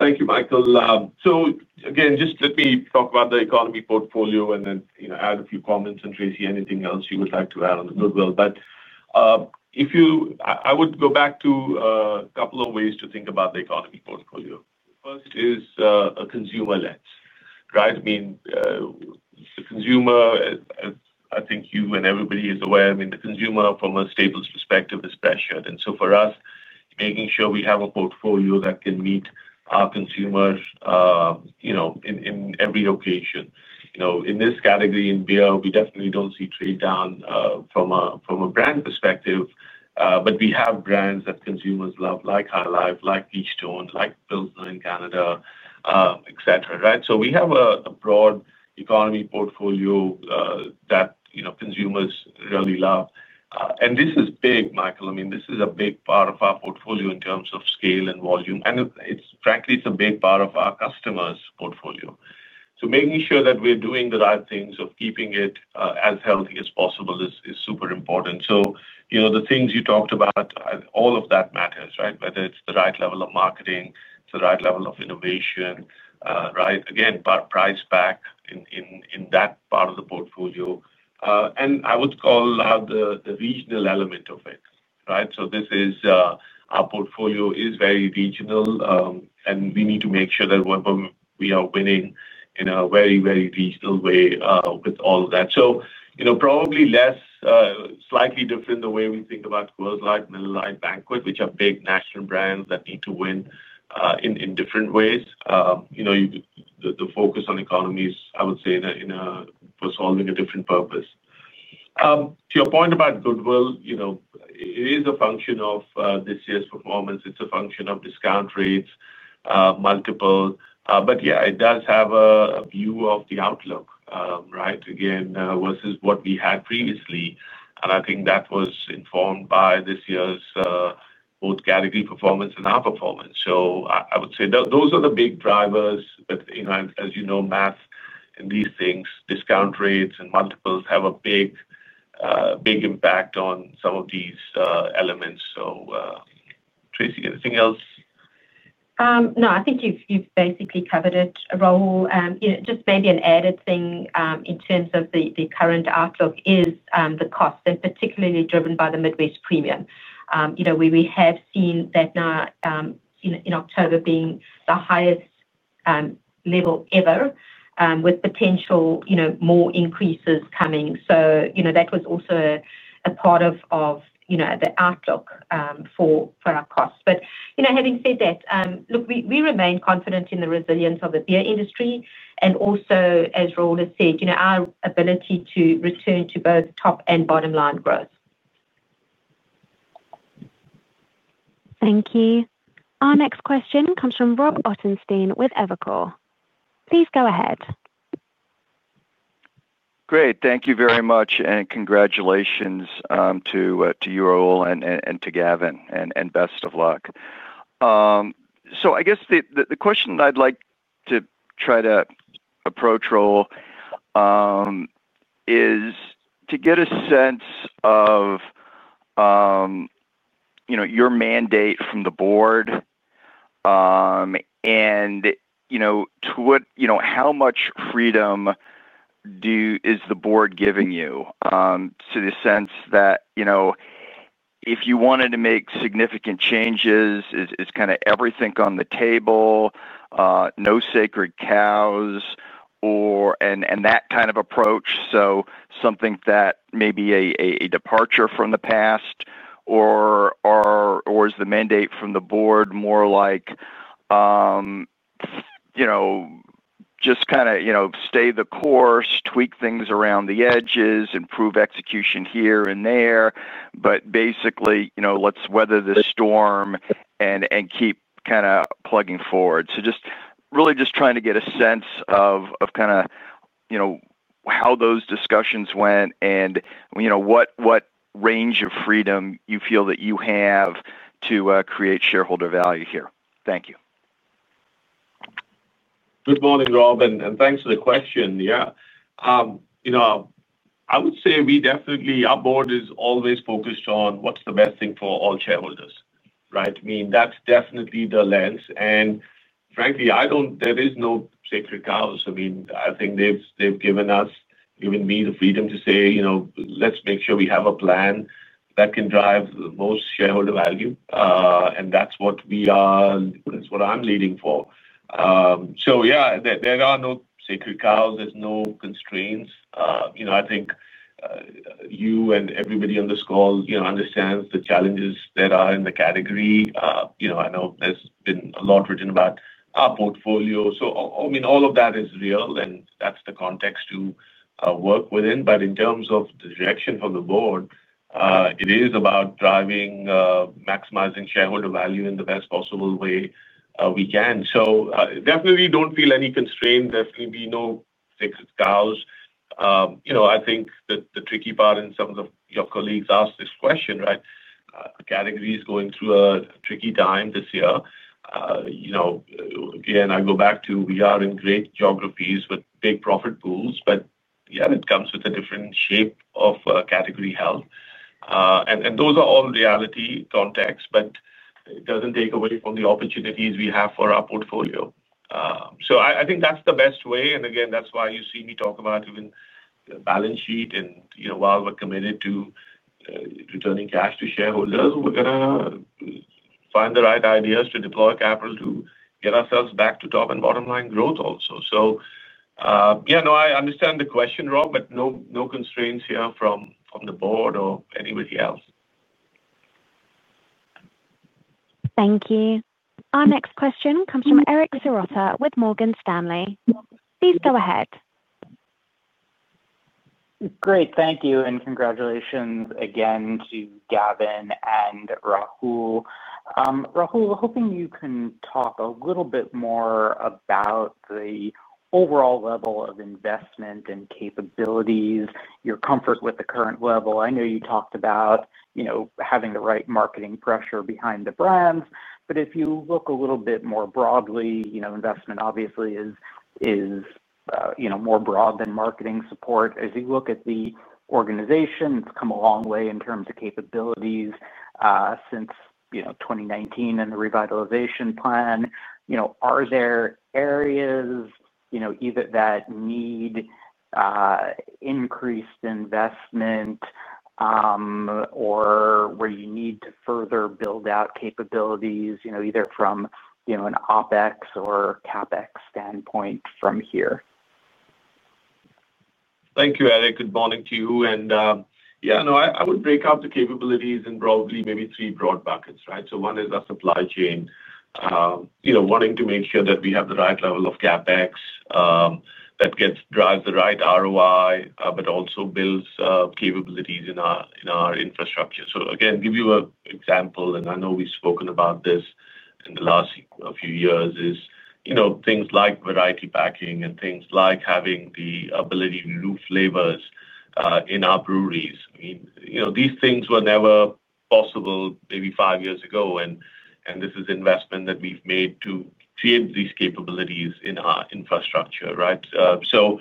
Thank you, Michael. So again, just let me talk about the economy portfolio and then add a few comments. And Tracey, anything else you would like to add on the goodwill? But I would go back to a couple of ways to think about the economy portfolio. The first is a consumer lens, right? I mean. The consumer, I think you and everybody is aware, I mean, the consumer from a staples perspective is pressured. And so for us, making sure we have a portfolio that can meet our consumers in every occasion. In this category, in beer, we definitely don't see trade down from a brand perspective. But we have brands that consumers love, like High Life, like Keystone, like Pilsner in Canada, etc., right? So we have a broad economy portfolio that consumers really love. And this is big, Michael. I mean, this is a big part of our portfolio in terms of scale and volume. And frankly, it's a big part of our customers' portfolio. So making sure that we're doing the right things of keeping it as healthy as possible is super important. So the things you talked about, all of that matters, right? Whether it's the right level of marketing, it's the right level of innovation, right? Again, price back in that part of the portfolio. And I would call out the regional element of it, right? So this is our portfolio is very regional. And we need to make sure that we are winning in a very, very regional way with all of that. So probably less, slightly different the way we think about Coors Light, Miller Lite, Banquet, which are big national brands that need to win in different ways. The focus on economy, I would say, for solving a different purpose. To your point about goodwill. It is a function of this year's performance. It's a function of discount rates, multiples. But yeah, it does have a view of the outlook, right? Again, versus what we had previously. And I think that was informed by this year's both category performance and our performance. So I would say those are the big drivers. But as you know, math and these things, discount rates and multiples have a big impact on some of these elements. So Tracey, anything else? No, I think you've basically covered it, Rahul. Just maybe an added thing in terms of the current outlook is the cost. They're particularly driven by the Midwest premium. We have seen that now. In October being the highest level ever, with potential more increases coming. So that was also a part of the outlook for our costs. But having said that, look, we remain confident in the resilience of the beer industry. And also, as Rahul has said, our ability to return to both top and bottom line growth. Thank you. Our next question comes from Rob Ottenstein with Evercore. Please go ahead. Great. Thank you very much. Congratulations to you, Rahul, and to Gavin. Best of luck. So I guess the question that I'd like to try to approach, Rahul, is to get a sense of your mandate from the board. And to what, how much freedom is the board giving you to the sense that if you wanted to make significant changes, is kind of everything on the table. No sacred cows, and that kind of approach. So something that may be a departure from the past. Or is the mandate from the board more like, "Just kind of stay the course, tweak things around the edges, improve execution here and there, but basically, let's weather the storm and keep kind of plugging forward"? So just really trying to get a sense of kind of how those discussions went and what range of freedom you feel that you have to create shareholder value here. Thank you. Good morning, Rob, and thanks for the question. Yeah. I would say we definitely, our board is always focused on what's the best thing for all shareholders, right? I mean, that's definitely the lens. And frankly, there is no sacred cows. I mean, I think they've given us, given me the freedom to say, "Let's make sure we have a plan that can drive most shareholder value." And that's what we are, that's what I'm leading for. So yeah, there are no sacred cows. There's no constraints. I think. You and everybody on this call understands the challenges that are in the category. I know there's been a lot written about our portfolio. So I mean, all of that is real, and that's the context to work within. But in terms of the direction from the board, it is about driving, maximizing shareholder value in the best possible way we can. So definitely don't feel any constraint. Definitely, no sacred cows. I think the tricky part in some of your colleagues asked this question, right? Category is going through a tricky time this year. Again, I go back to we are in great geographies with big profit pools, but yeah, it comes with a different shape of category health. And those are all reality contexts, but it doesn't take away from the opportunities we have for our portfolio. So I think that's the best way. And again, that's why you see me talk about even the balance sheet. And while we're committed to returning cash to shareholders, we're going to find the right ideas to deploy capital to get ourselves back to top and bottom line growth also. So yeah, no, I understand the question, Rob, but no constraints here from the board or anybody else. Thank you. Our next question comes from Eric Serotta with Morgan Stanley. Please go ahead. Great. Thank you. And congratulations again to Gavin and Rahul. Rahul, hoping you can talk a little bit more about the overall level of investment and capabilities, your comfort with the current level. I know you talked about having the right marketing pressure behind the brands, but if you look a little bit more broadly, investment obviously is more broad than marketing support. As you look at the organization, it's come a long way in terms of capabilities since 2019 and the revitalization plan. Are there areas either that need increased investment or where you need to further build out capabilities, either from an OpEx or CapEx standpoint from here? Thank you, Eric. Good morning to you, and yeah, no, I would break out the capabilities in probably maybe three broad buckets, right? So one is our supply chain, wanting to make sure that we have the right level of CapEx that drives the right ROI, but also builds capabilities in our infrastructure. So again, give you an example, and I know we've spoken about this in the last few years, is things like variety packing and things like having the ability to do flavors in our breweries. I mean, these things were never possible maybe five years ago. And this is investment that we've made to create these capabilities in our infrastructure, right? So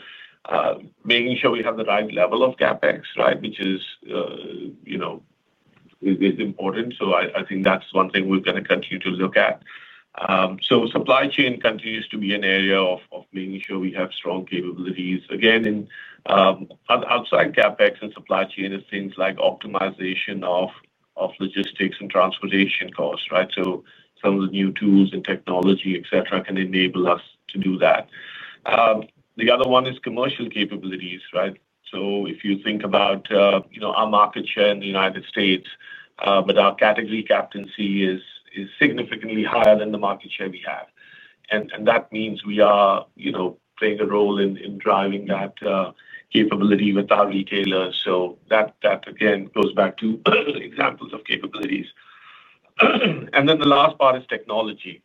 making sure we have the right level of CapEx, right, which is important. So I think that's one thing we're going to continue to look at. So supply chain continues to be an area of making sure we have strong capabilities. Again, outside CapEx and supply chain is things like optimization of logistics and transportation costs, right? So some of the new tools and technology, etc., can enable us to do that. The other one is commercial capabilities, right? So if you think about our market share in the United States, but our category captaincy is significantly higher than the market share we have. And that means we are playing a role in driving that capability with our retailers. So that, again, goes back to examples of capabilities. And then the last part is technology,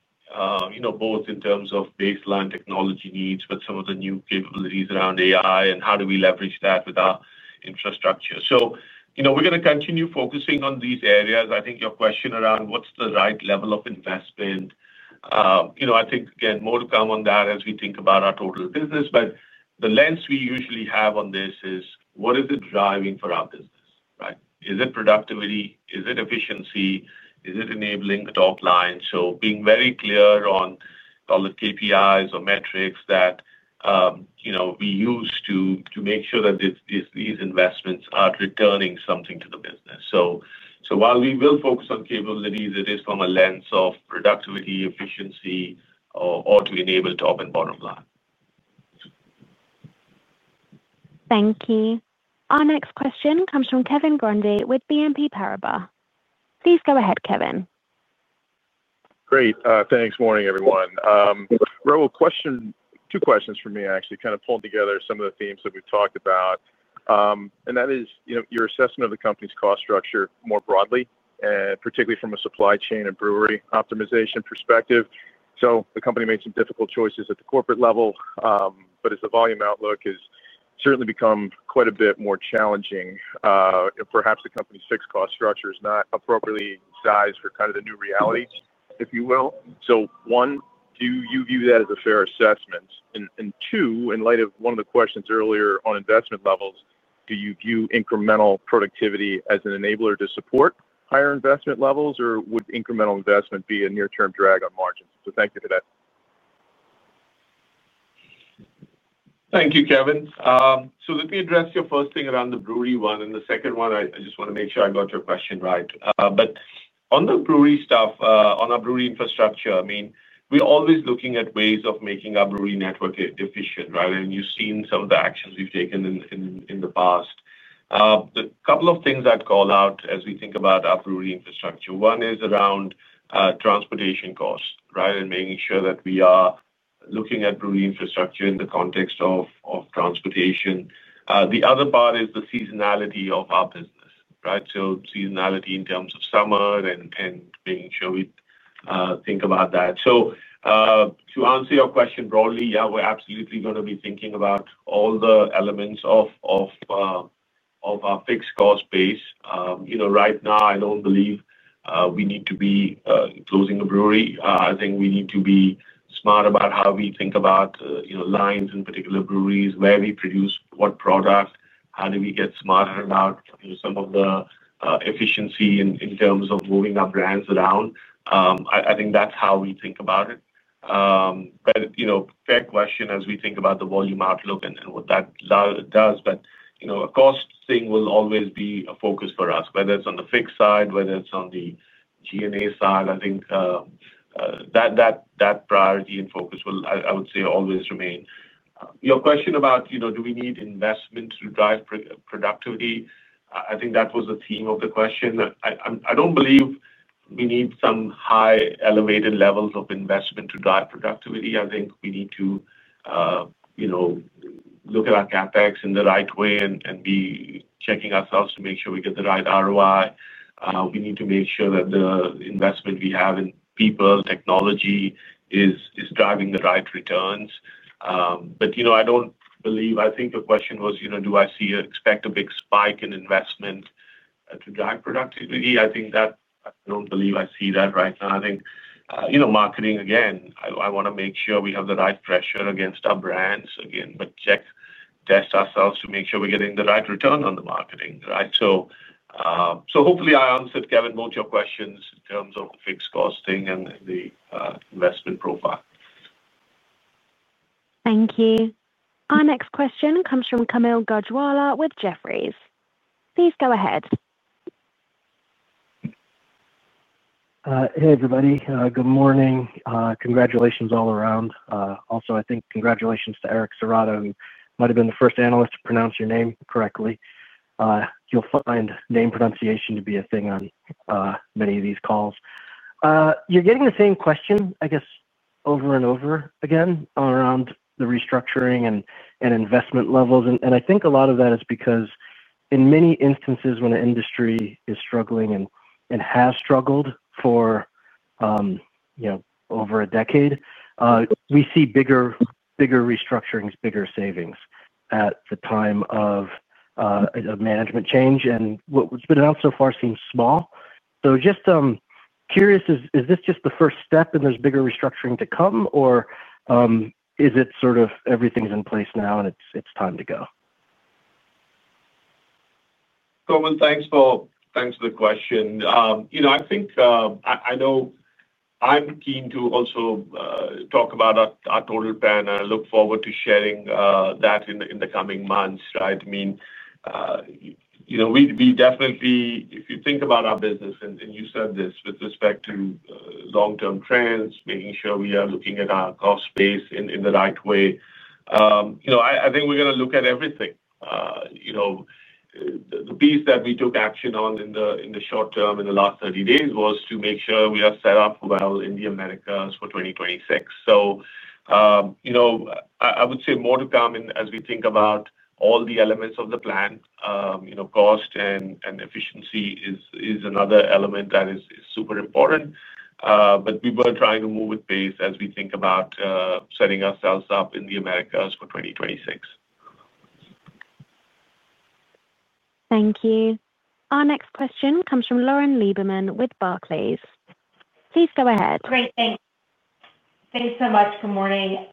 both in terms of baseline technology needs with some of the new capabilities around AI and how do we leverage that with our infrastructure. So we're going to continue focusing on these areas. I think your question around what's the right level of investment. I think, again, more to come on that as we think about our total business. But the lens we usually have on this is, what is it driving for our business, right? Is it productivity? Is it efficiency? Is it enabling the top line? So being very clear on KPIs or metrics that we use to make sure that these investments are returning something to the business. So while we will focus on capabilities, it is from a lens of productivity, efficiency or to enable top and bottom line. Thank you. Our next question comes from Kevin Grundy with BNP Paribas. Please go ahead, Kevin. Great. Thanks. Morning, everyone. Rahul, two questions for me, actually, kind of pulling together some of the themes that we've talked about. And that is your assessment of the company's cost structure more broadly, particularly from a supply chain and brewery optimization perspective. So the company made some difficult choices at the corporate level, but the volume outlook has certainly become quite a bit more challenging. Perhaps the company's fixed cost structure is not appropriately sized for kind of the new reality, if you will. So one, do you view that as a fair assessment? And two, in light of one of the questions earlier on investment levels, do you view incremental productivity as an enabler to support higher investment levels, or would incremental investment be a near-term drag on margins? So thank you for that. Thank you, Kevin. So let me address your first thing around the brewery one. And the second one, I just want to make sure I got your question right. But on the brewery stuff, on our brewery infrastructure, I mean, we're always looking at ways of making our brewery network efficient, right? And you've seen some of the actions we've taken in the past. A couple of things I'd call out as we think about our brewery infrastructure. One is around transportation costs, right, and making sure that we are looking at brewery infrastructure in the context of transportation. The other part is the seasonality of our business, right? So seasonality in terms of summer and making sure we think about that. So to answer your question broadly, yeah, we're absolutely going to be thinking about all the elements of our fixed cost base. Right now, I don't believe we need to be closing a brewery. I think we need to be smart about how we think about lines in particular breweries, where we produce what product, how do we get smarter about some of the efficiency in terms of moving our brands around. I think that's how we think about it. But fair question as we think about the volume outlook and what that does. But a cost thing will always be a focus for us, whether it's on the fixed side, whether it's on the G&A side. I think that priority and focus will, I would say, always remain. Your question about do we need investment to drive productivity, I think that was the theme of the question. I don't believe we need some high elevated levels of investment to drive productivity. I think we need to look at our CapEx in the right way and be checking ourselves to make sure we get the right ROI. We need to make sure that the investment we have in people, technology, is driving the right returns. But I don't believe I think the question was, do I expect a big spike in investment to drive productivity? I don't believe I see that right now. I think marketing, again, I want to make sure we have the right pressure against our brands again, but check, test ourselves to make sure we're getting the right return on the marketing, right? So hopefully, I answered, Kevin, both your questions in terms of the fixed cost thing and the investment profile. Thank you. Our next question comes from Kaumil Gajrawala with Jefferies. Please go ahead. Hey, everybody. Good morning. Congratulations all around. Also, I think congratulations to Eric Serotta, who might have been the first analyst to pronounce your name correctly. You'll find name pronunciation to be a thing on many of these calls. You're getting the same question, I guess, over and over again around the restructuring and investment levels. And I think a lot of that is because in many instances, when an industry is struggling and has struggled for over a decade, we see bigger restructurings, bigger savings at the time of a management change. And what's been announced so far seems small. So just curious, is this just the first step and there's bigger restructuring to come, or is it sort of everything's in place now and it's time to go? Kaumil, thanks for the question. I think I know. I'm keen to also talk about our total plan. I look forward to sharing that in the coming months, right? I mean. We definitely, if you think about our business, and you said this with respect to long-term trends, making sure we are looking at our cost base in the right way. I think we're going to look at everything. The piece that we took action on in the short term in the last 30 days was to make sure we are set up well in the Americas for 2026. So. I would say more to come as we think about all the elements of the plan. Cost and efficiency is another element that is super important. But we were trying to move with pace as we think about setting ourselves up in the Americas for 2026. Thank you. Our next question comes from Lauren Lieberman with Barclays. Please go ahead. Great. Thanks. Thanks so much. Good morning.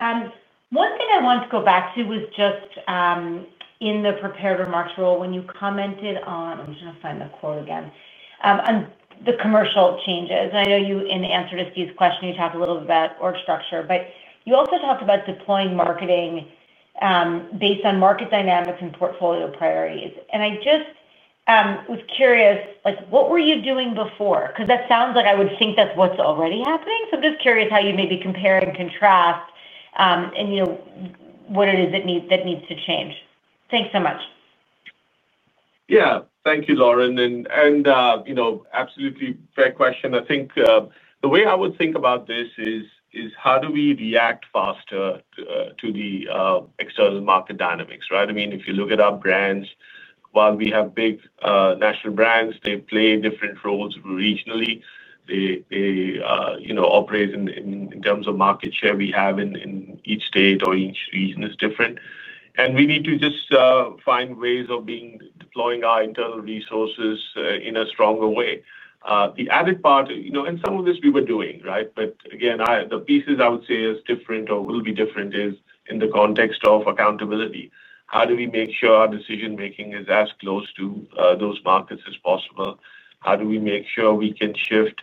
One thing I wanted to go back to was just in the prepared remarks, Rahul, when you commented on, I'm trying to find the quote again, on the commercial changes, and I know you, in answer to Steve's question, you talked a little bit about org structure, but you also talked about deploying marketing based on market dynamics and portfolio priorities, and I just was curious, what were you doing before? Because that sounds like I would think that's what's already happening, so I'm just curious how you maybe compare and contrast and what it is that needs to change. Thanks so much. Yeah. Thank you, Lauren. Absolutely fair question. I think the way I would think about this is how do we react faster to the external market dynamics, right? I mean, if you look at our brands, while we have big national brands, they play different roles regionally. They operate in terms of market share we have in each state or each region is different. And we need to just find ways of deploying our internal resources in a stronger way. The added part, and some of this we were doing, right? But again, the pieces I would say are different or will be different is in the context of accountability. How do we make sure our decision-making is as close to those markets as possible? How do we make sure we can shift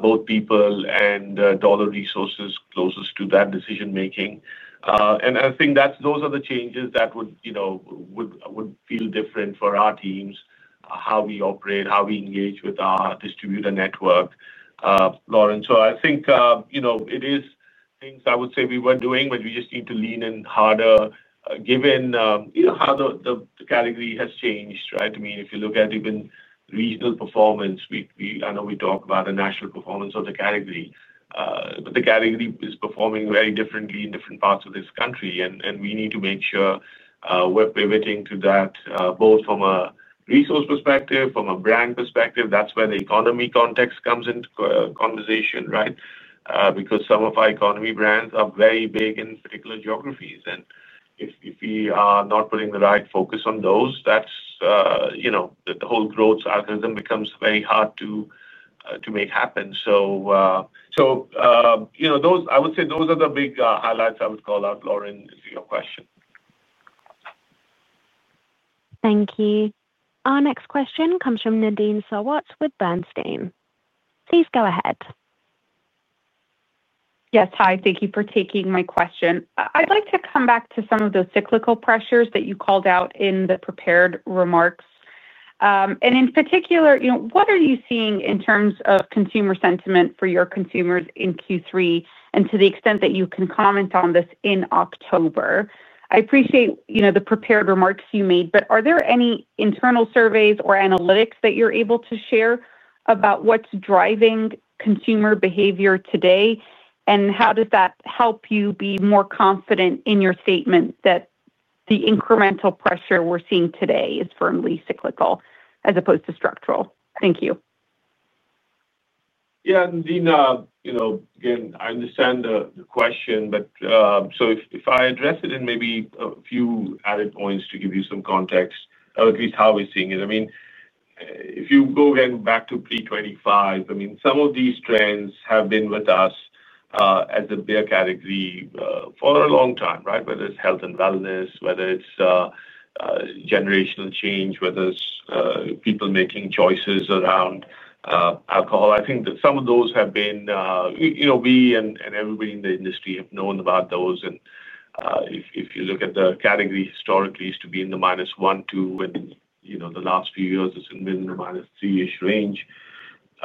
both people and dollar resources closest to that decision-making? And I think those are the changes that would feel different for our teams, how we operate, how we engage with our distributor network. Lauren, so I think it is things I would say we were doing, but we just need to lean in harder given how the category has changed, right? I mean, if you look at even regional performance, I know we talked about the national performance of the category. But the category is performing very differently in different parts of this country. And we need to make sure we're pivoting to that both from a resource perspective, from a brand perspective. That's where the economy context comes into conversation, right? Because some of our economy brands are very big in particular geographies. And if we are not putting the right focus on those, that's the whole growth algorithm becomes very hard to make happen. I would say those are the big highlights I would call out, Lauren, to your question. Thank you. Our next question comes from Nadine Sarwat with Bernstein. Please go ahead. Yes. Hi. Thank you for taking my question. I'd like to come back to some of the cyclical pressures that you called out in the prepared remarks. And in particular, what are you seeing in terms of consumer sentiment for your consumers in Q3 and to the extent that you can comment on this in October? I appreciate the prepared remarks you made, but are there any internal surveys or analytics that you're able to share about what's driving consumer behavior today? And how does that help you be more confident in your statement that the incremental pressure we're seeing today is firmly cyclical as opposed to structural? Thank you. Yeah. And again, I understand the question, but so if I address it in maybe a few added points to give you some context, at least how we're seeing it. I mean, if you go again back to pre-25, I mean, some of these trends have been with us as a beer category for a long time, right? Whether it's health and wellness, whether it's generational change, whether it's people making choices around alcohol. I think that some of those have been. We and everybody in the industry have known about those. And if you look at the category historically, it used to be in the minus one, two, and the last few years, it's been in the minus three-ish range.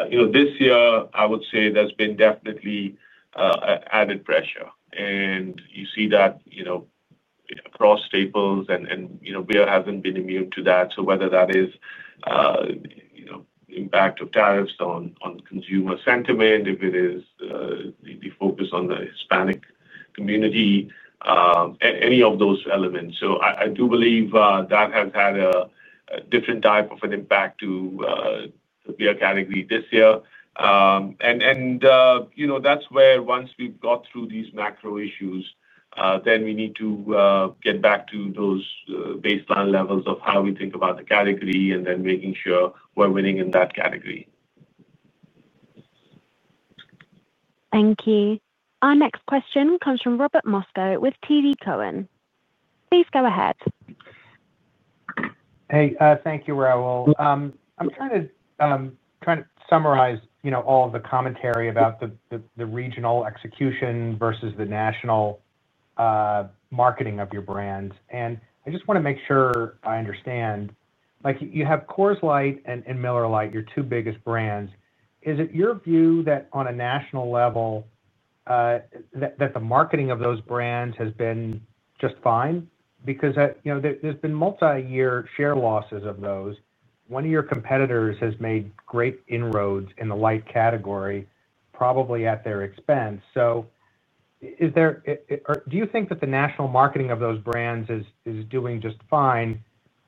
This year, I would say there's been definitely added pressure. And you see that across staples, and beer hasn't been immune to that. So whether that is the impact of tariffs on consumer sentiment, if it is the focus on the Hispanic community, any of those elements. So I do believe that has had a different type of an impact to the beer category this year. And that's where, once we've got through these macro issues, then we need to get back to those baseline levels of how we think about the category and then making sure we're winning in that category. Thank you. Our next question comes from Robert Moskow with TD Cowen. Please go ahead. Hey, thank you, Rahul. I'm trying to summarize all of the commentary about the regional execution versus the national marketing of your brands. And I just want to make sure I understand. You have Coors Light and Miller Lite, your two biggest brands. Is it your view that on a national level the marketing of those brands has been just fine? Because there's been multi-year share losses of those. One of your competitors has made great inroads in the light category, probably at their expense. So do you think that the national marketing of those brands is doing just fine?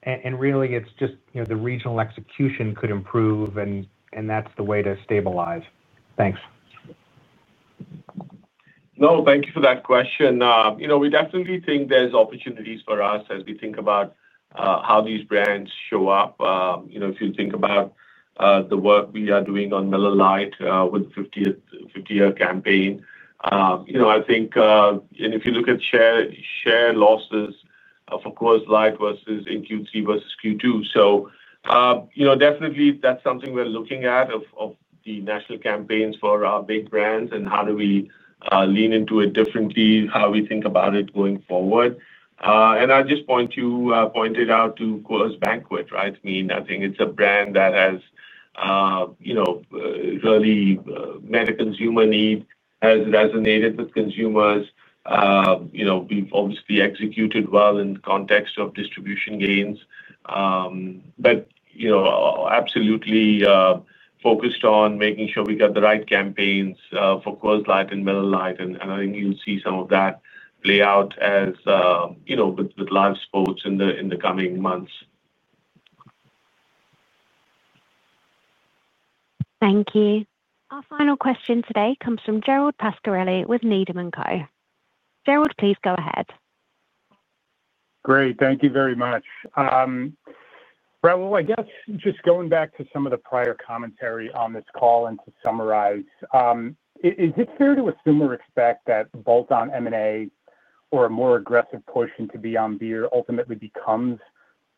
And really, it's just the regional execution could improve, and that's the way to stabilize. Thanks. No, thank you for that question. We definitely think there's opportunities for us as we think about how these brands show up. If you think about the work we are doing on Miller Lite with the 50-year campaign, I think, and if you look at share losses for Coors Light versus in Q3 versus Q2, so definitely, that's something we're looking at of the national campaigns for our big brands and how do we lean into it differently, how we think about it going forward, and I just pointed out to Coors Banquet, right? I mean, I think it's a brand that has really met a consumer need, has resonated with consumers. We've obviously executed well in the context of distribution gains, but absolutely focused on making sure we get the right campaigns for Coors Light and Miller Lite, and I think you'll see some of that play out as with live sports in the coming months. Thank you. Our final question today comes from Gerald Pascarelli with Needham & Co. Gerald, please go ahead. Great. Thank you very much. Rahul, I guess just going back to some of the prior commentary on this call and to summarize. Is it fair to assume or expect that bolt-on M&A or a more aggressive push into Beyond Beer ultimately becomes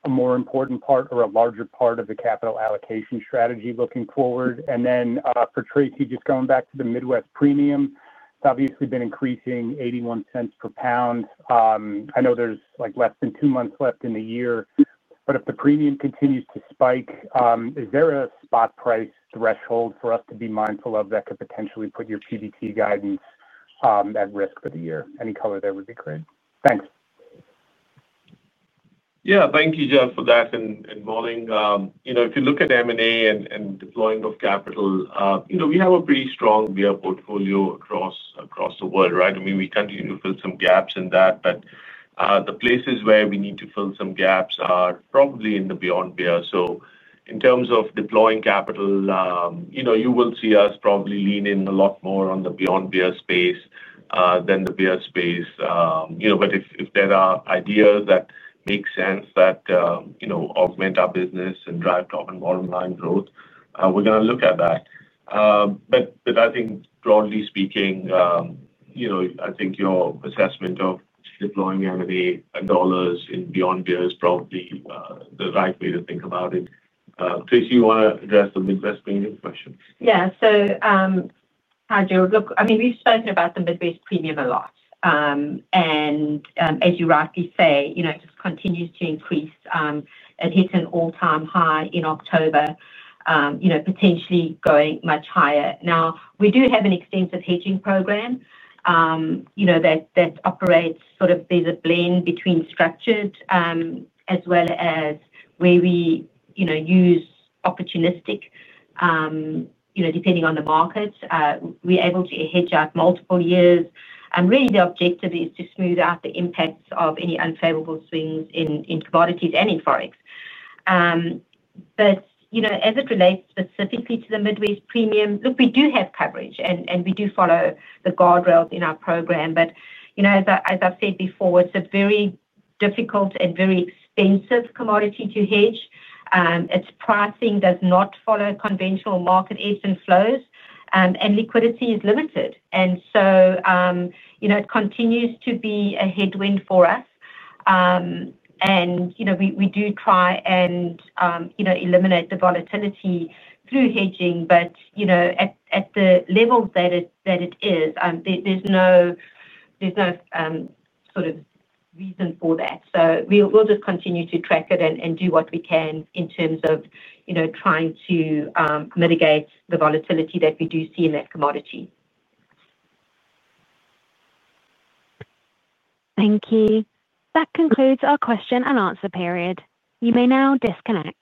a more important part or a larger part of the capital allocation strategy looking forward? And then for Tracey, just going back to the Midwest premium, it's obviously been increasing $0.81 per pound. I know there's less than two months left in the year, but if the premium continues to spike, is there a spot price threshold for us to be mindful of that could potentially put your PBT guidance at risk for the year? Any color there would be great. Thanks. Yeah. Thank you, Gerald, for that and morning. If you look at M&A and deploying of capital, we have a pretty strong beer portfolio across the world, right? I mean, we continue to fill some gaps in that, but the places where we need to fill some gaps are probably in the Beyond Beer. So in terms of deploying capital, you will see us probably lean in a lot more on the Beyond Beer space than the beer space. But if there are ideas that make sense that augment our business and drive top and bottom line growth, we're going to look at that. But I think broadly speaking, I think your assessment of deploying M&A dollars in Beyond Beer is probably the right way to think about it. Tracey, you want to address the Midwest premium question? Yeah. So how do you look? I mean, we've spoken about the Midwest premium a lot, and as you rightly say, it just continues to increase. It hit an all-time high in October, potentially going much higher. Now, we do have an extensive hedging program that operates sort of as a blend between structured as well as where we use opportunistic. Depending on the market, we're able to hedge out multiple years, and really, the objective is to smooth out the impacts of any unfavorable swings in commodities and in forex. But as it relates specifically to the Midwest premium, look, we do have coverage, and we do follow the guardrails in our program, but as I've said before, it's a very difficult and very expensive commodity to hedge. Its pricing does not follow conventional market ebbs and flows, and liquidity is limited, and so it continues to be a headwind for us, and we do try and eliminate the volatility through hedging, but at the level that it is, there's no sort of reason for that, so we'll just continue to track it and do what we can in terms of trying to mitigate the volatility that we do see in that commodity. Thank you. That concludes our question and answer period. You may now disconnect.